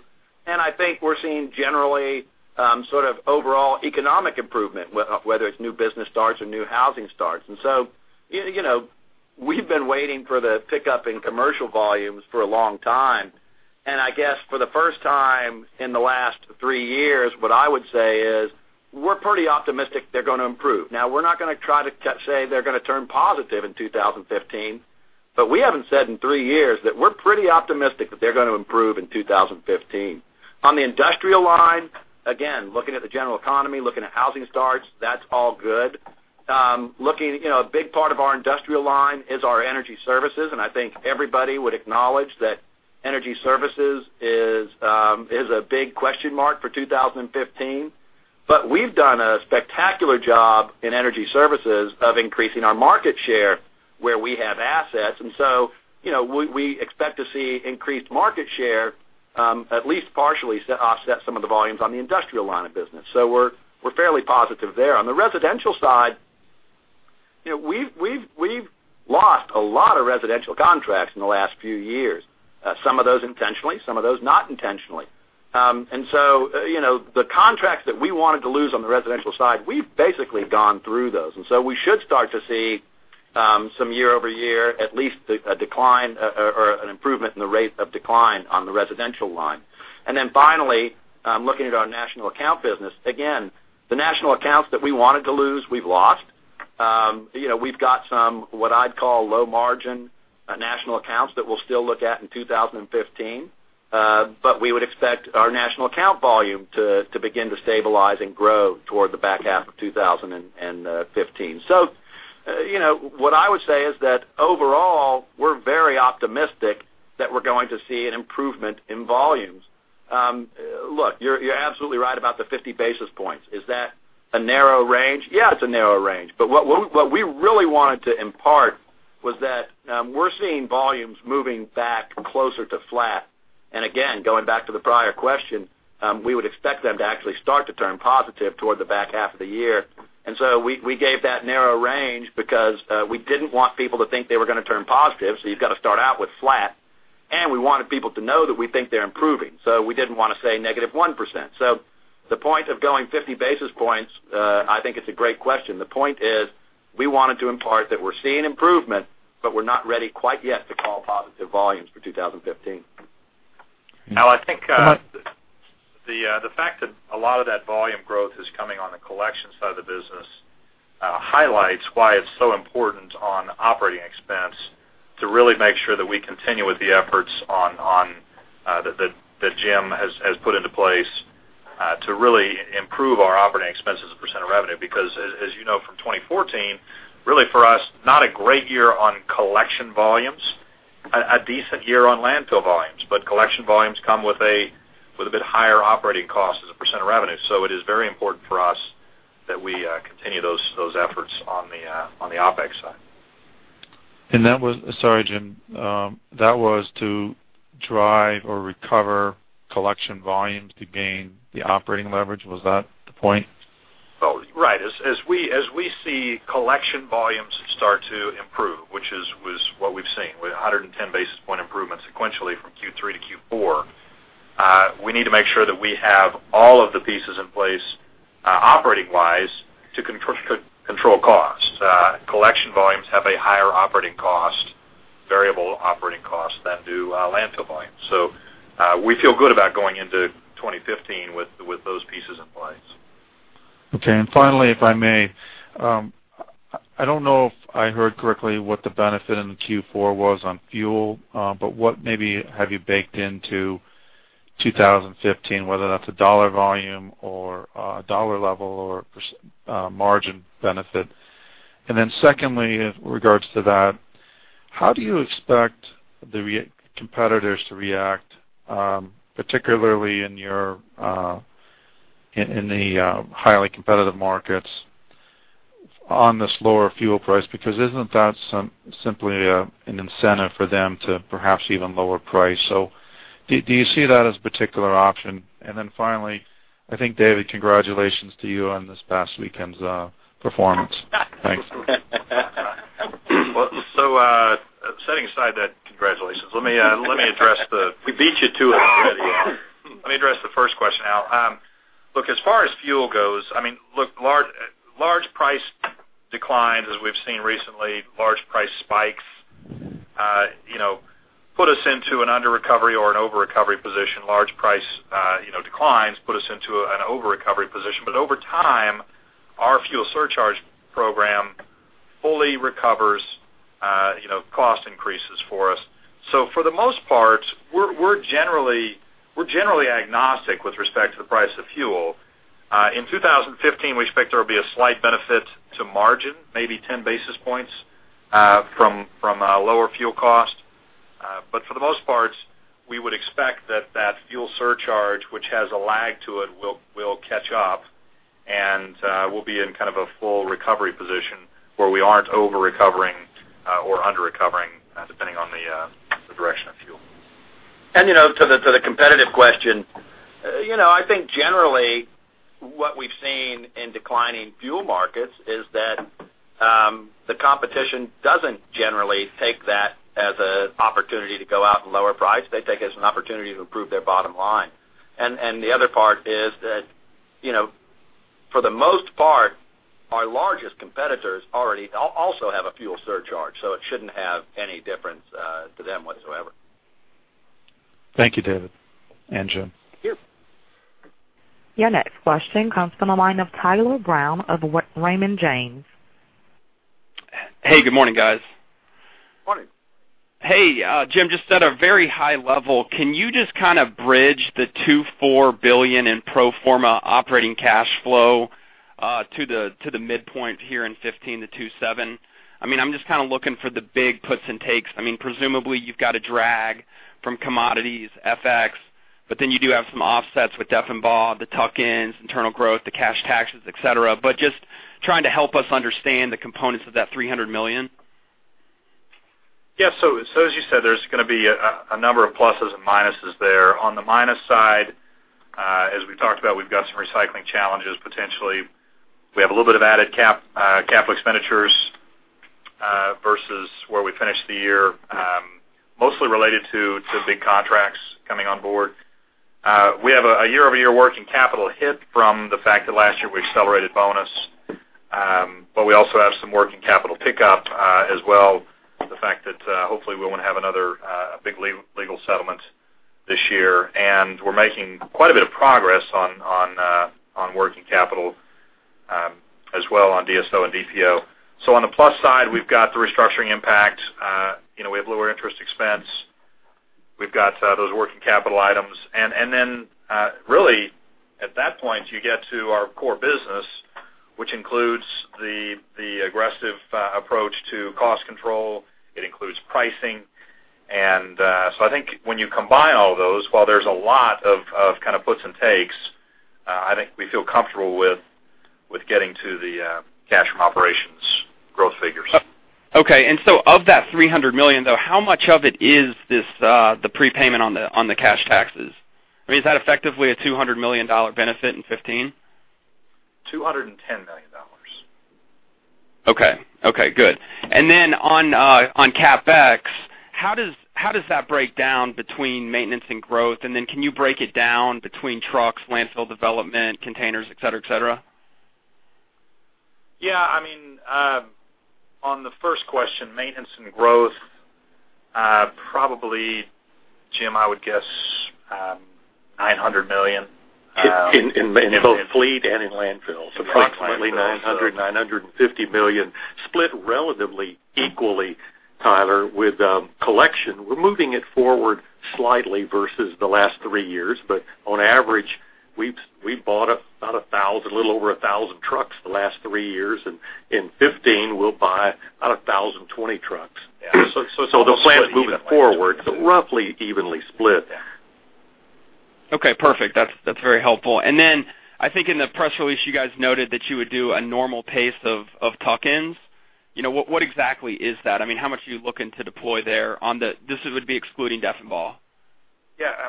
I think we're seeing generally, sort of overall economic improvement, whether it's new business starts or new housing starts. We've been waiting for the pickup in commercial volumes for a long time, I guess for the first time in the last three years, what I would say is, we're pretty optimistic they're going to improve. We're not going to try to say they're going to turn positive in 2015, we haven't said in three years that we're pretty optimistic that they're going to improve in 2015. On the industrial line, again, looking at the general economy, looking at housing starts, that's all good. A big part of our industrial line is our energy services, and I think everybody would acknowledge that energy services is a big question mark for 2015. We've done a spectacular job in energy services of increasing our market share where we have assets. We expect to see increased market share, at least partially offset some of the volumes on the industrial line of business. We're fairly positive there. On the residential side, we've lost a lot of residential contracts in the last few years. Some of those intentionally, some of those not intentionally. The contracts that we wanted to lose on the residential side, we've basically gone through those. We should start to see some year-over-year, at least a decline or an improvement in the rate of decline on the residential line. Finally, looking at our national account business, again, the national accounts that we wanted to lose, we've lost. We've got some, what I'd call low margin national accounts that we'll still look at in 2015. We would expect our national account volume to begin to stabilize and grow toward the back half of 2015. What I would say is that overall, we're very optimistic that we're going to see an improvement in volumes. Look, you're absolutely right about the 50 basis points. Is that a narrow range? Yeah, it's a narrow range. What we really wanted to impart was that we're seeing volumes moving back closer to flat. Again, going back to the prior question, we would expect them to actually start to turn positive toward the back half of the year. We gave that narrow range because we didn't want people to think they were going to turn positive, so you've got to start out with flat, and we wanted people to know that we think they're improving, so we didn't want to say negative 1%. The point of going 50 basis points, I think it's a great question. The point is, we wanted to impart that we're seeing improvement, but we're not ready quite yet to call positive volumes for 2015. Al, I think the fact that a lot of that volume growth is coming on the collection side of the business highlights why it's so important on operating expense to really make sure that we continue with the efforts that Jim has put into place, to really improve our operating expense as a % of revenue. As you know from 2014, really for us, not a great year on collection volumes. A decent year on landfill volumes. Collection volumes come with a bit higher operating cost as a % of revenue. It is very important for us that we continue those efforts on the OPEX side. Sorry, Jim. That was to drive or recover collection volumes to gain the operating leverage. Was that the point? As we see collection volumes start to improve, which is what we've seen, with 110 basis point improvement sequentially from Q3 to Q4, we need to make sure that we have all of the pieces in place operating-wise to control costs. Collection volumes have a higher operating cost, variable operating cost than do landfill volumes. We feel good about going into 2015 with those pieces in place. Finally, if I may, I don't know if I heard correctly what the benefit in Q4 was on fuel, but what maybe have you baked into 2015, whether that's a dollar volume or a dollar level or margin benefit. Secondly, with regards to that, how do you expect the competitors to react, particularly in the highly competitive markets on this lower fuel price? Isn't that simply an incentive for them to perhaps even lower price? Do you see that as a particular option? Finally, I think, David, congratulations to you on this past weekend's performance. Thanks. Setting aside that congratulations, let me address the We beat you to it. Let me address the first question, Al. Look, as far as fuel goes, large price declines as we've seen recently, large price spikes, put us into an under-recovery or an over-recovery position. Large price declines put us into an over-recovery position. Over time, our fuel surcharge program fully recovers cost increases for us. For the most part, we're generally agnostic with respect to the price of fuel. In 2015, we expect there will be a slight benefit to margin, maybe 10 basis points, from a lower fuel cost. For the most part, we would expect that that fuel surcharge, which has a lag to it, will catch up, and we'll be in kind of a full recovery position where we aren't over-recovering or under-recovering, depending on the direction of fuel. To the competitive question, I think generally what we've seen in declining fuel markets is that the competition doesn't generally take that as an opportunity to go out and lower price. They take it as an opportunity to improve their bottom line. The other part is that, for the most part, our largest competitors already also have a fuel surcharge, so it shouldn't have any difference to them whatsoever. Thank you, David and Jim. Sure. Your next question comes from the line of Tyler Brown of Raymond James. Hey, good morning, guys. Morning. Hey, Jim, just at a very high level, can you just kind of bridge the $2.4 billion in pro forma operating cash flow to the midpoint here in 2015 to $2.7 billion? I'm just kind of looking for the big puts and takes. Presumably, you've got a drag from commodities, FX. You do have some offsets with Deffenbaugh, the tuck-ins, internal growth, the cash taxes, et cetera. Just trying to help us understand the components of that $300 million. Yeah. As you said, there's going to be a number of pluses and minuses there. On the minus side, as we talked about, we've got some recycling challenges, potentially. We have a little bit of added capital expenditures versus where we finished the year, mostly related to big contracts coming on board. We have a year-over-year working capital hit from the fact that last year we accelerated bonus. We also have some working capital pickup as well, the fact that hopefully we won't have another big legal settlement this year. We're making quite a bit of progress on working capital as well on DSO and DPO. On the plus side, we've got the restructuring impact. We have lower interest expense. We've got those working capital items. Really at that point, you get to our core business, which includes the aggressive approach to cost control. It includes pricing. I think when you combine all of those, while there's a lot of kind of puts and takes, I think we feel comfortable with getting to the cash from operations growth figures. Okay. Of that $300 million, though, how much of it is the prepayment on the cash taxes? Is that effectively a $200 million benefit in 2015? $210 million. Okay, good. On CapEx, how does that break down between maintenance and growth? Can you break it down between trucks, landfill development, containers, et cetera? Yeah. On the first question, maintenance and growth, probably, Jim, I would guess $900 million. In both fleet and in landfills. In landfills. Approximately $900, $950 million split relatively equally, Tyler, with collection. We're moving it forward slightly versus the last three years. On average, we've bought a little over 1,000 trucks the last three years. In 2015, we'll buy 1,020 trucks. Yeah. The plan is moving forward, so roughly evenly split there. Okay, perfect. That's very helpful. I think in the press release, you guys noted that you would do a normal pace of tuck-ins. What exactly is that? How much are you looking to deploy there? This would be excluding debt involved.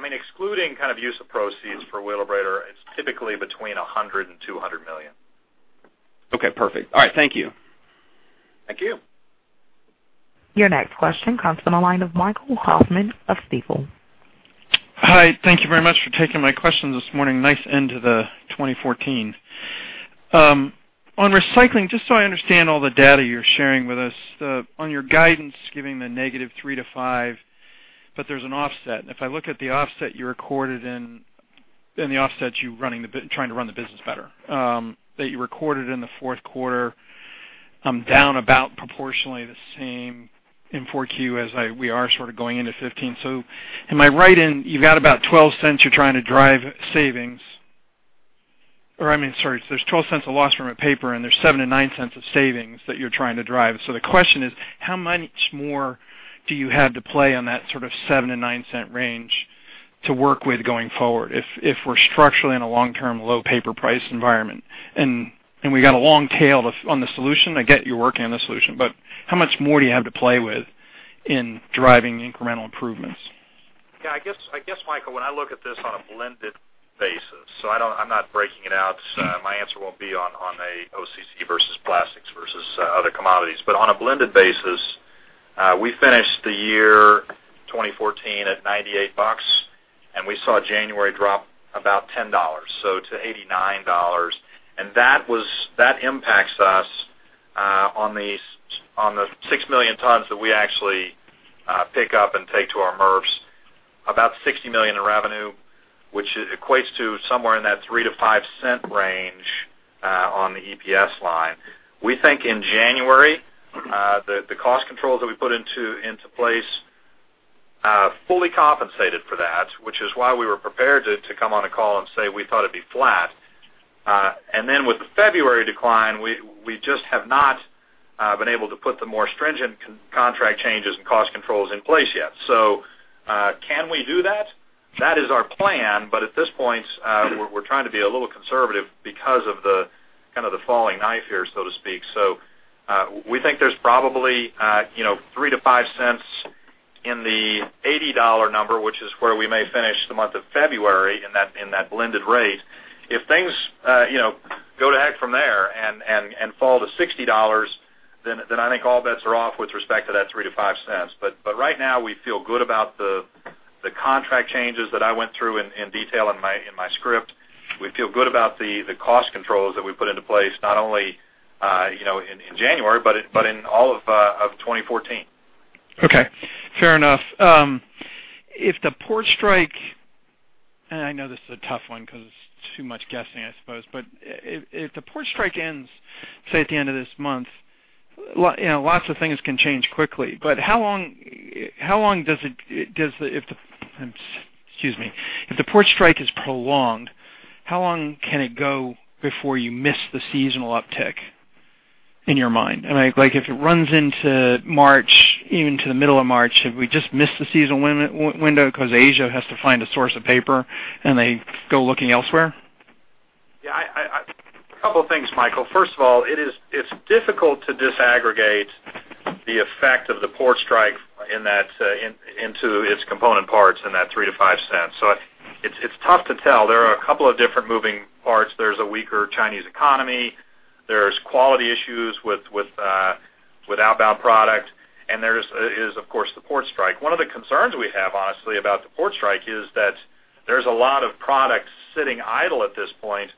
Excluding use of proceeds for Wheelabrator, it's typically between $100 million and $200 million. Okay, perfect. All right, thank you. Thank you. Your next question comes from the line of Michael Hoffman of Stifel. Hi. Thank you very much for taking my question this morning. Nice end to the 2014. On recycling, just so I understand all the data you're sharing with us, on your guidance, giving the negative three to five, there's an offset. If I look at the offset you recorded in Then the offset you trying to run the business better that you recorded in the Q4 down about proportionally the same in Q4 as we are sort of going into 2015. Am I right in, you've got about $0.12 you're trying to drive savings or, I mean, sorry, there's $0.12 of loss from a paper, and there's $0.07 to $0.09 of savings that you're trying to drive. The question is, how much more do you have to play on that sort of $0.07 to $0.09 range to work with going forward if we're structurally in a long-term low paper price environment, and we got a long tail on the solution? I get you're working on the solution, how much more do you have to play with in driving incremental improvements? Yeah, I guess, Michael, when I look at this on a blended basis, I'm not breaking it out. My answer won't be on a OCC versus plastics versus other commodities. On a blended basis, we finished the year 2014 at $98, we saw January drop about $10, to $89. That impacts us on the 6 million tons that we actually pick up and take to our MRFs about $60 million in revenue, which equates to somewhere in that $0.03 to $0.05 on the EPS line. We think in January, the cost controls that we put into place fully compensated for that, which is why we were prepared to come on a call and say we thought it'd be flat. With the February decline, we just have not been able to put the more stringent contract changes and cost controls in place yet. Can we do that? That is our plan, at this point, we're trying to be a little conservative because of the falling knife here, so to speak. We think there's probably $0.03 to $0.05 in the $80 number, which is where we may finish the month of February in that blended rate. If things go to heck from there and fall to $60, I think all bets are off with respect to that $0.03 to $0.05. Right now, we feel good about the contract changes that I went through in detail in my script. We feel good about the cost controls that we put into place, not only in January but in all of 2014. Okay, fair enough. If the port strike, and I know this is a tough one because it's too much guessing, I suppose, but if the port strike ends, say, at the end of this month, lots of things can change quickly. If the port strike is prolonged, how long can it go before you miss the seasonal uptick in your mind? Like if it runs into March, even to the middle of March, have we just missed the seasonal window because Asia has to find a source of paper, and they go looking elsewhere? Yeah. A couple of things, Michael. First of all, it's difficult to disaggregate the effect of the port strike into its component parts in that $0.03 to $0.05. It's tough to tell. There are a couple of different moving parts. There's a weaker Chinese economy, there's quality issues with outbound product, and there is, of course, the port strike. One of the concerns we have honestly about the port strike is that there's a lot of product sitting idle at this point.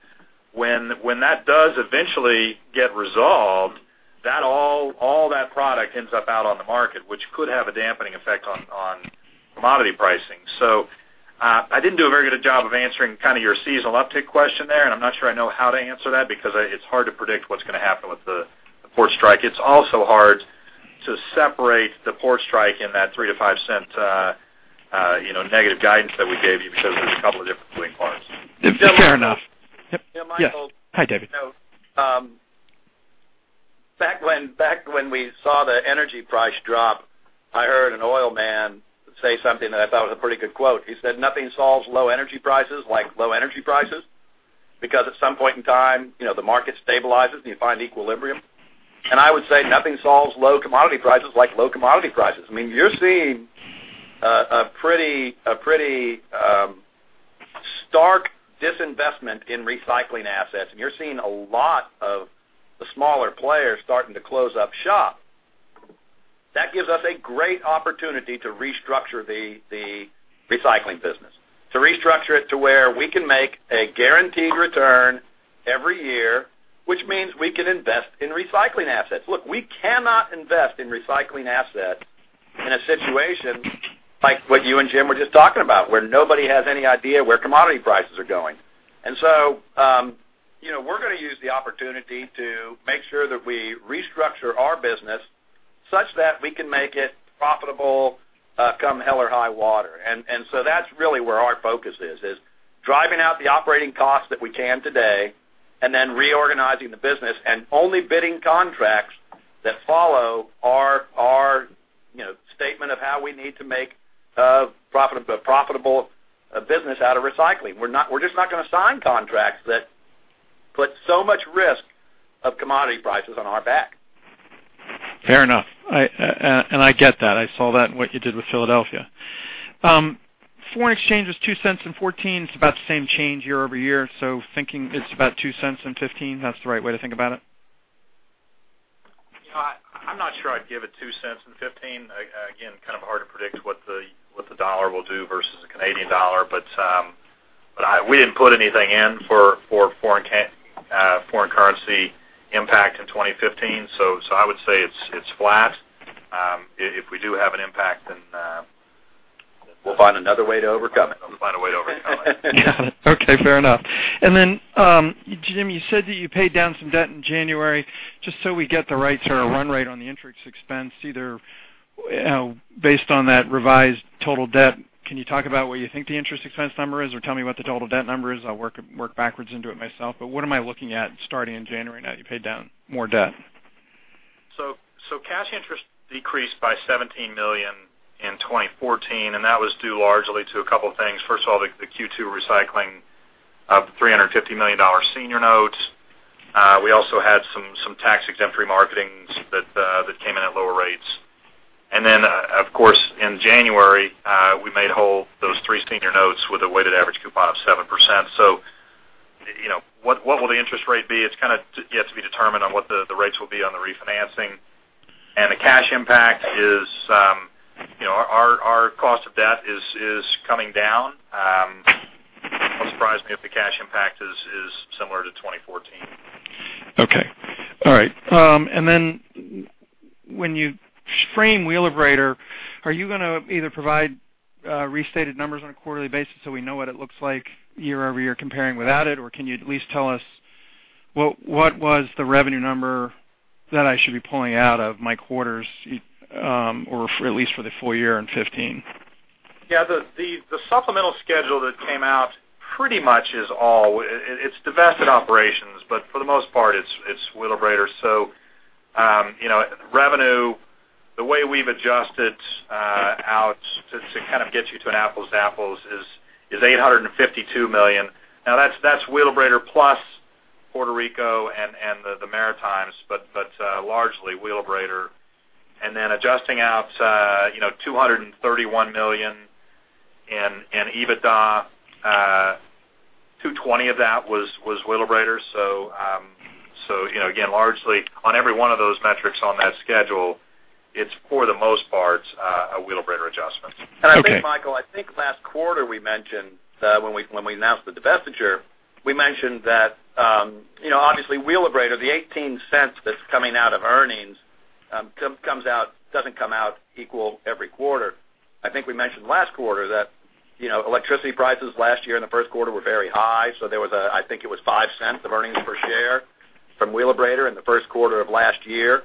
When that does eventually get resolved, all that product ends up out on the market, which could have a dampening effect on commodity pricing. I didn't do a very good job of answering kind of your seasonal uptick question there, and I'm not sure I know how to answer that because it's hard to predict what's going to happen with the port strike. It's also hard to separate the port strike in that $0.03 to $0.05 negative guidance that we gave you because there's a couple of different moving parts. Fair enough. Yeah, Michael. Hi, David. Back when we saw the energy price drop, I heard an oil man say something that I thought was a pretty good quote. He said, "Nothing solves low energy prices like low energy prices, because at some point in time the market stabilizes, and you find equilibrium." I would say nothing solves low commodity prices like low commodity prices. You're seeing a pretty stark disinvestment in recycling assets, and you're seeing a lot of the smaller players starting to close up shop. That gives us a great opportunity to restructure the recycling business, to restructure it to where we can make a guaranteed return every year, which means we can invest in recycling assets. Look, we cannot invest in recycling assets in a situation like what you and Jim were just talking about, where nobody has any idea where commodity prices are going. We're going to use the opportunity to make sure that we restructure our business such that we can make it profitable come hell or high water. That's really where our focus is driving out the operating costs that we can today and then reorganizing the business and only bidding contracts that follow our statement of how we need to make a profitable business out of recycling. We're just not going to sign contracts that put so much risk of commodity prices on our back. Fair enough. I get that. I saw that in what you did with Philadelphia. Foreign exchange was $0.02 in 2014. It's about the same change year-over-year. Thinking it's about $0.02 in 2015, that's the right way to think about it? I'm not sure I'd give it $0.02 in 2015. Again, kind of hard to predict what the dollar will do versus the Canadian dollar. We didn't put anything in for foreign currency impact in 2015. I would say it's flat. We'll find another way to overcome it. We'll find a way to overcome it. Yeah. Okay, fair enough. Jim, you said that you paid down some debt in January. Just so we get the right run rate on the interest expense, either based on that revised total debt, can you talk about what you think the interest expense number is? Or tell me what the total debt number is, I'll work backwards into it myself. What am I looking at starting in January now you paid down more debt? Cash interest decreased by $17 million in 2014, and that was due largely to a couple of things. First of all, the Q2 recycling of the $350 million senior notes. We also had some tax-exempt remarketings that came in at lower rates. Of course, in January, we made whole those three senior notes with a weighted average coupon of 7%. What will the interest rate be? It's yet to be determined on what the rates will be on the refinancing. The cash impact is, our cost of debt is coming down. I wouldn't surprise me if the cash impact is similar to 2014. Okay. All right. When you frame Wheelabrator, are you going to either provide restated numbers on a quarterly basis so we know what it looks like year-over-year comparing without it? Or can you at least tell us what was the revenue number that I should be pulling out of my quarters, or at least for the full year in 2015? Yeah. The supplemental schedule that came out pretty much is all, it's divested operations, but for the most part, it's Wheelabrator. Revenue, the way we've adjusted out to kind of get you to an apples to apples is $852 million. That's Wheelabrator plus Puerto Rico and the Maritimes, but largely Wheelabrator. Adjusting out $231 million in EBITDA, $220 of that was Wheelabrator. Again, largely on every one of those metrics on that schedule, it's for the most part a Wheelabrator adjustment. Okay. I think, Michael, I think last quarter we mentioned when we announced the divestiture, we mentioned that obviously Wheelabrator, the $0.18 that's coming out of earnings doesn't come out equal every quarter. I think we mentioned last quarter that electricity prices last year in the first quarter were very high. There was, I think it was $0.05 of earnings per share from Wheelabrator in the first quarter of last year.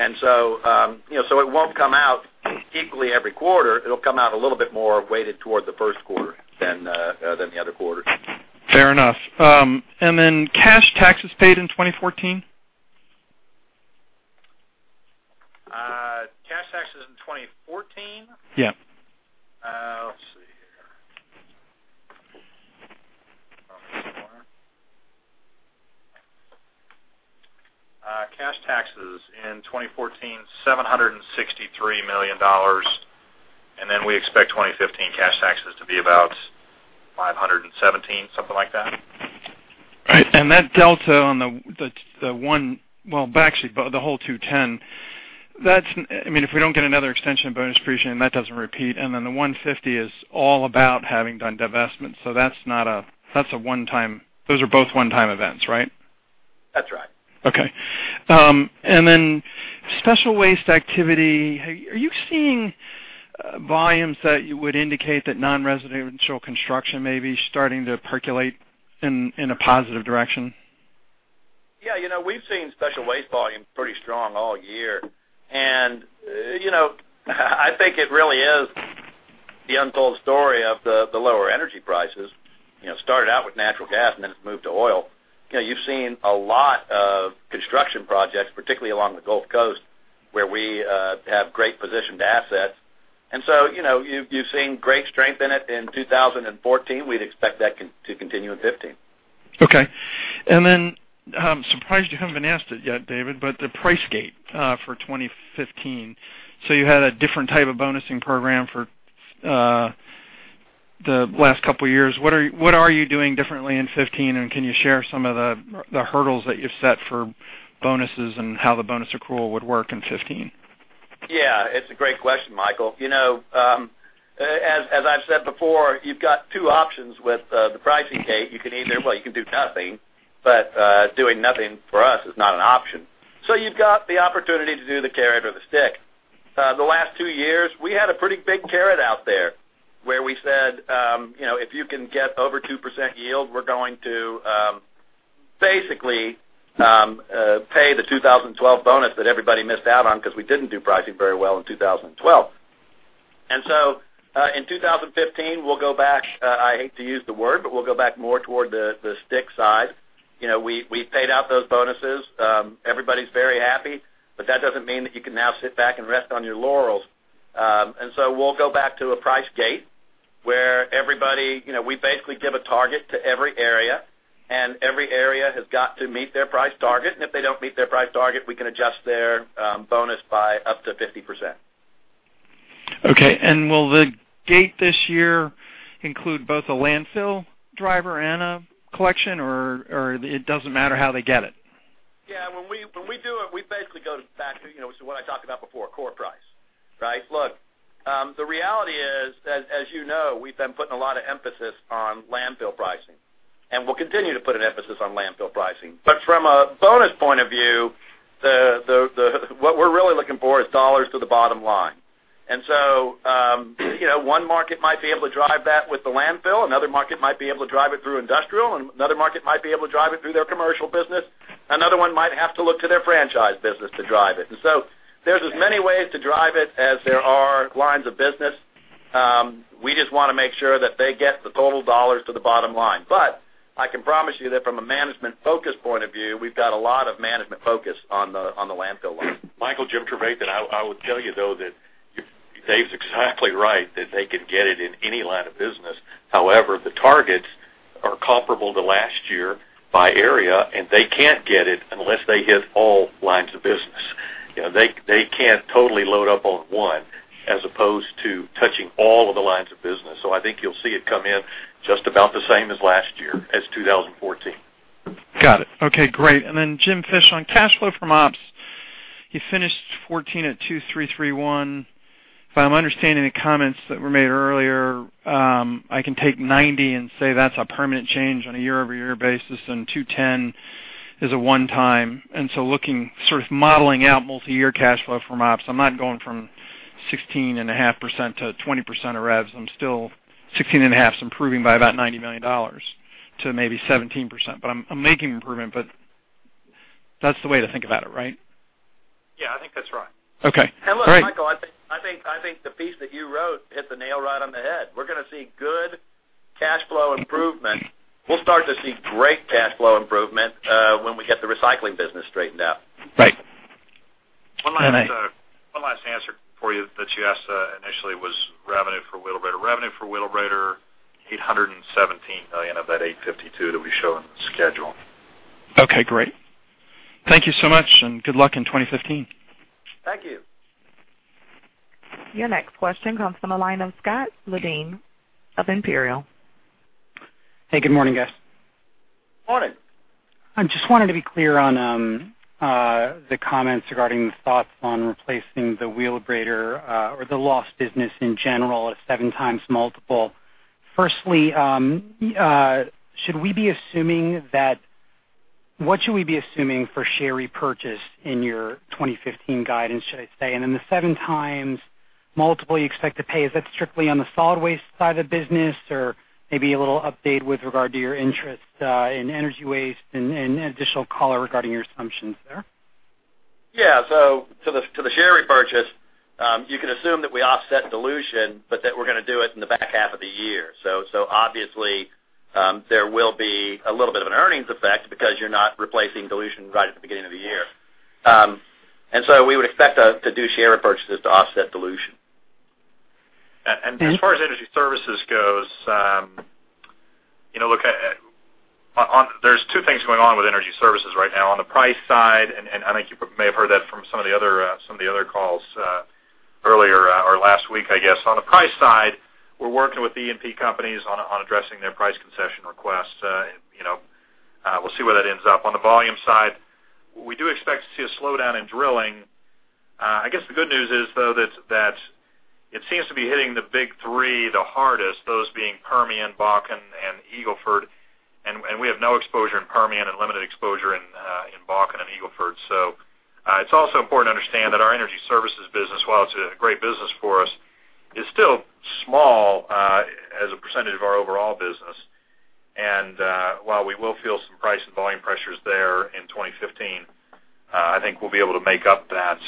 It won't come out equally every quarter. It'll come out a little bit more weighted toward the first quarter than the other quarters. Fair enough. Cash taxes paid in 2014? Cash taxes in 2014? Yeah. Let's see here. Cash taxes in 2014, $763 million. Then we expect 2015 cash taxes to be about $517, something like that. Right. That delta on the one, well, actually, the whole $210. If we don't get another extension of bonus depreciation, that doesn't repeat, then the $150 is all about having done divestments. Those are both one-time events, right? That's right. Okay. Special waste activity. Are you seeing volumes that would indicate that non-residential construction may be starting to percolate in a positive direction? Yeah. We've seen special waste volume pretty strong all year. I think it really is the untold story of the lower energy prices. Started out with natural gas and then it moved to oil. You've seen a lot of construction projects, particularly along the Gulf Coast, where we have great positioned assets. You've seen great strength in it in 2014. We'd expect that to continue in 2015. Okay. Surprised you haven't been asked it yet, David, the price gate for 2015. You had a different type of bonusing program for the last couple of years. What are you doing differently in 2015, and can you share some of the hurdles that you've set for bonuses and how the bonus accrual would work in 2015? Yeah, it's a great question, Michael. As I've said before, you've got two options with the pricing gate. You can either, well, you can do nothing, doing nothing for us is not an option. You've got the opportunity to do the carrot or the stick. The last two years, we had a pretty big carrot out there where we said if you can get over 2% yield, we're going to basically pay the 2012 bonus that everybody missed out on because we didn't do pricing very well in 2012. In 2015, we'll go back, I hate to use the word, we'll go back more toward the stick side. We paid out those bonuses. Everybody's very happy, that doesn't mean that you can now sit back and rest on your laurels. We'll go back to a price gate where we basically give a target to every area, and every area has got to meet their price target. If they don't meet their price target, we can adjust their bonus by up to 50%. Okay. Will the gate this year include both a landfill driver and a collection, or it doesn't matter how they get it? Yeah. When we do it, we basically go back to what I talked about before, core price, right? Look, the reality is, as you know, we've been putting a lot of emphasis on landfill pricing. We'll continue to put an emphasis on landfill pricing. From a bonus point of view, what we're really looking for is dollars to the bottom line. One market might be able to drive that with the landfill. Another market might be able to drive it through industrial, and another market might be able to drive it through their commercial business. Another one might have to look to their franchise business to drive it. There's as many ways to drive it as there are lines of business. We just want to make sure that they get the total dollars to the bottom line. I can promise you that from a management focus point of view, we've got a lot of management focus on the landfill line. Michael, Jim Trevathan. I would tell you, though, that Dave's exactly right, that they can get it in any line of business. However, the targets are comparable to last year by area, and they can't get it unless they hit all lines of business. They can't totally load up on one as opposed to touching all of the lines of business. I think you'll see it come in just about the same as last year, as 2014. Got it. Okay, great. Jim Fish, on cash flow from ops, you finished 2014 at $2,331. If I'm understanding the comments that were made earlier, I can take $90 and say that's a permanent change on a year-over-year basis, and $210 is a one-time. Looking, sort of modeling out multi-year cash flow from ops, I'm not going from 16.5% to 20% of revs. I'm still 16.5%, so improving by about $90 million to maybe 17%. I'm making improvement, but that's the way to think about it, right? Yeah, I think that's right. Okay. All right. Look, Michael, I think the piece that you wrote hit the nail right on the head. We're going to see good cash flow improvement. We'll start to see great cash flow improvement when we get the recycling business straightened out. Right. One last answer for you that you asked initially was revenue for Wheelabrator. Revenue for Wheelabrator, $817 million of that $852 million that we show in the schedule. Okay, great. Thank you so much, and good luck in 2015. Thank you. Your next question comes from the line of Scott Levine of Imperial. Hey, good morning, guys. Morning. I just wanted to be clear on the comments regarding the thoughts on replacing the Wheelabrator or the lost business in general at a 7x multiple. What should we be assuming for share repurchase in your 2015 guidance, should I say? The 7x multiple you expect to pay, is that strictly on the solid waste side of the business? Maybe a little update with regard to your interest in energy waste and additional color regarding your assumptions there. Yeah. To the share repurchase, you can assume that we offset dilution, but that we're going to do it in the back half of the year. Obviously, there will be a little bit of an earnings effect because you're not replacing dilution right at the beginning of the year. We would expect to do share repurchases to offset dilution. As far as energy services goes, there's two things going on with energy services right now. On the price side, I think you may have heard that from some of the other calls earlier or last week, I guess. On the price side, we're working with E&P companies on addressing their price concession requests. We'll see where that ends up. On the volume side, we do expect to see a slowdown in drilling. I guess the good news is, though, that it seems to be hitting the big three the hardest, those being Permian, Bakken, and Eagle Ford. We have no exposure in Permian and limited exposure in Bakken and Eagle Ford. It's also important to understand that our energy services business, while it's a great business for us, is still small as a percentage of our overall business. While we will feel some price and volume pressures there in 2015, I think we'll be able to make up that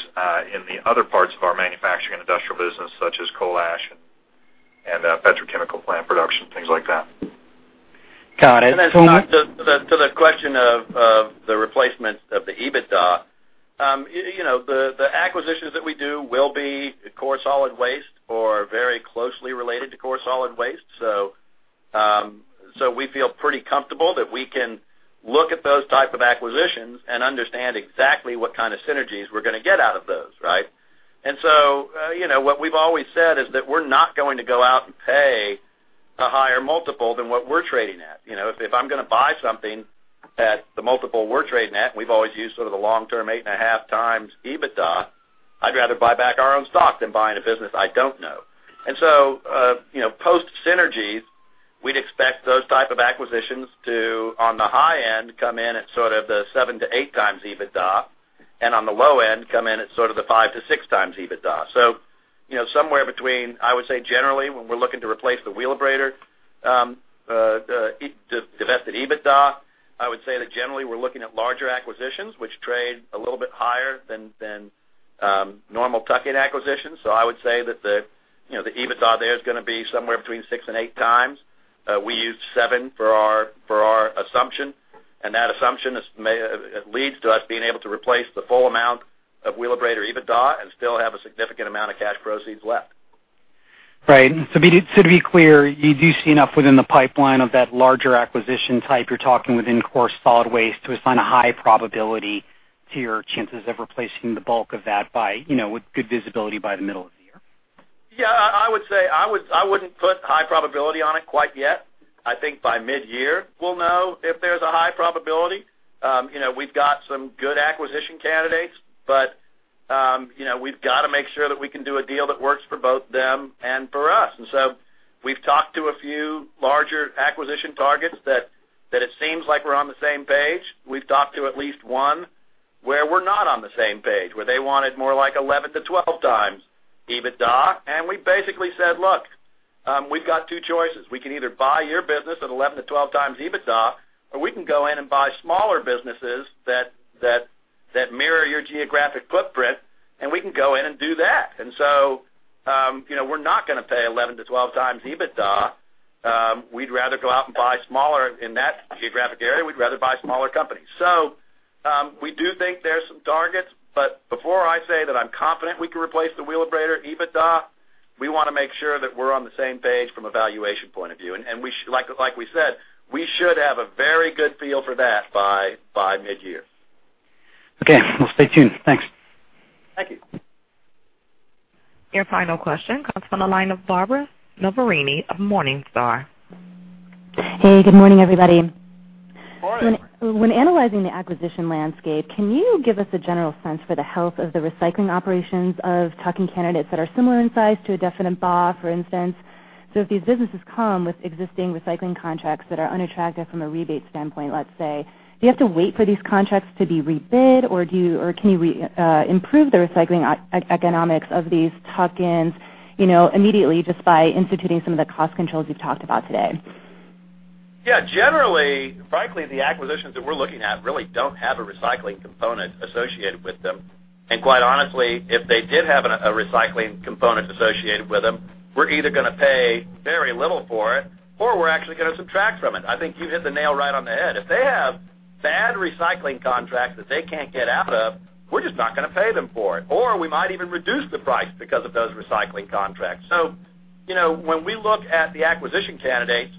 in the other parts of our manufacturing and industrial business, such as coal ash and petrochemical plant production, things like that. Got it. Scott, to the question of the replacement of the EBITDA. The acquisitions that we do will be core solid waste or very closely related to core solid waste. We feel pretty comfortable that we can look at those type of acquisitions and understand exactly what kind of synergies we're going to get out of those, right? What we've always said is that we're not going to go out and pay a higher multiple than what we're trading at. If I'm going to buy something at the multiple we're trading at, we've always used sort of the long term eight and a half times EBITDA, I'd rather buy back our own stock than buying a business I don't know. Post synergies, we'd expect those type of acquisitions to, on the high end, come in at sort of the 7x-8x EBITDA, and on the low end, come in at sort of the 5x-6x EBITDA. Somewhere between, I would say generally, when we're looking to replace the Wheelabrator divested EBITDA, I would say that generally we're looking at larger acquisitions which trade a little bit higher than normal tuck-in acquisitions. I would say that the EBITDA there is going to be somewhere between 6x-8x. We used seven for our assumption, and that assumption leads to us being able to replace the full amount of Wheelabrator EBITDA and still have a significant amount of cash proceeds left. Right. To be clear, you do see enough within the pipeline of that larger acquisition type you're talking within core solid waste to assign a high probability to your chances of replacing the bulk of that with good visibility by the middle of the year? Yeah, I would say I wouldn't put high probability on it quite yet. I think by mid-year we'll know if there's a high probability. We've got some good acquisition candidates, we've got to make sure that we can do a deal that works for both them and for us. We've talked to a few larger acquisition targets that it seems like we're on the same page. We've talked to at least one where we're not on the same page, where they wanted more like 11x-12x EBITDA. We basically said, "Look, we've got two choices. We can either buy your business at 11x-12x EBITDA, or we can go in and buy smaller businesses that mirror your geographic footprint, and we can go in and do that." We're not going to pay 11x-12x EBITDA. We'd rather go out and buy smaller, in that geographic area, we'd rather buy smaller companies. We do think there's some targets, but before I say that I'm confident we can replace the Wheelabrator EBITDA, we want to make sure that we're on the same page from a valuation point of view. Like we said, we should have a very good feel for that by mid-year. Okay. We'll stay tuned. Thanks. Thank you. Your final question comes from the line of Barbara Noverini of Morningstar. Hey, good morning, everybody. Morning. When analyzing the acquisition landscape, can you give us a general sense for the health of the recycling operations of tuck-in candidates that are similar in size to a Deffenbaugh, for instance? If these businesses come with existing recycling contracts that are unattractive from a rebate standpoint, let's say, do you have to wait for these contracts to be rebid, or can you improve the recycling economics of these tuck-ins immediately just by instituting some of the cost controls you've talked about today? Yeah. Generally, frankly, the acquisitions that we're looking at really don't have a recycling component associated with them. Quite honestly, if they did have a recycling component associated with them, we're either going to pay very little for it, or we're actually going to subtract from it. I think you hit the nail right on the head. If they have bad recycling contracts that they can't get out of, we're just not going to pay them for it. We might even reduce the price because of those recycling contracts. When we look at the acquisition candidates,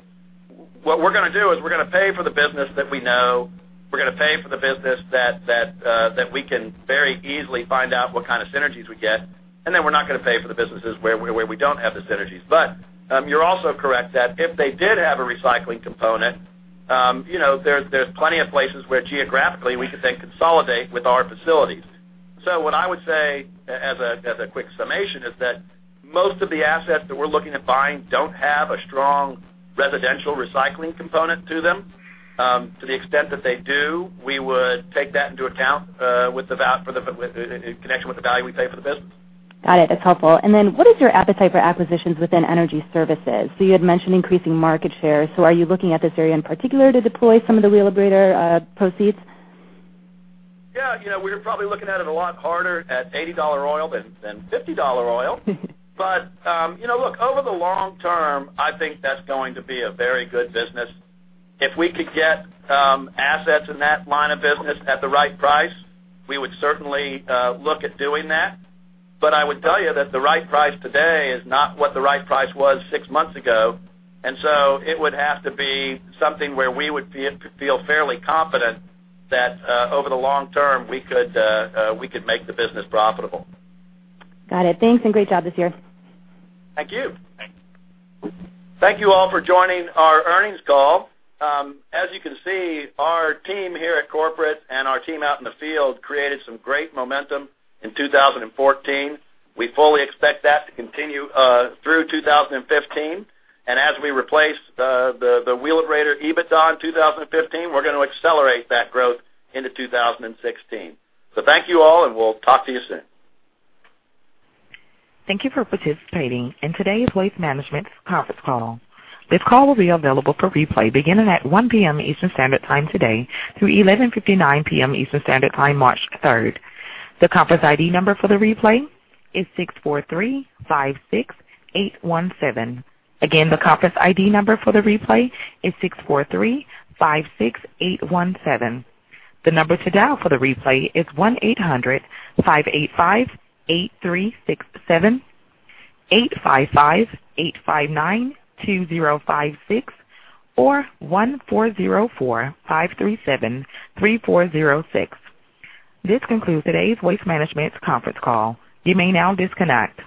what we're going to do is we're going to pay for the business that we know, we're going to pay for the business that we can very easily find out what kind of synergies we get, and then we're not going to pay for the businesses where we don't have the synergies. You're also correct that if they did have a recycling component, there's plenty of places where geographically we could then consolidate with our facilities. What I would say, as a quick summation, is that most of the assets that we're looking at buying don't have a strong residential recycling component to them. To the extent that they do, we would take that into account in connection with the value we pay for the business. Got it. That's helpful. What is your appetite for acquisitions within energy services? You had mentioned increasing market share. Are you looking at this area in particular to deploy some of the Wheelabrator proceeds? We're probably looking at it a lot harder at $80 oil than $50 oil. Look, over the long term, I think that's going to be a very good business. If we could get assets in that line of business at the right price, we would certainly look at doing that. I would tell you that the right price today is not what the right price was six months ago. It would have to be something where we would feel fairly confident that over the long term, we could make the business profitable. Got it. Thanks, and great job this year. Thank you. Thank you all for joining our earnings call. As you can see, our team here at corporate and our team out in the field created some great momentum in 2014. We fully expect that to continue through 2015. As we replace the Wheelabrator EBITDA in 2015, we're going to accelerate that growth into 2016. Thank you all, and we'll talk to you soon. Thank you for participating in today's Waste Management conference call. This call will be available for replay beginning at 1:00 P.M. Eastern Standard Time today to 11:59 P.M. Eastern Standard Time, March 3rd. The conference ID number for the replay is 64356817. Again, the conference ID number for the replay is 64356817. The number to dial for the replay is 1-800-585-8367, 855-859-2056, or 1-404-537-3406. This concludes today's Waste Management conference call. You may now disconnect.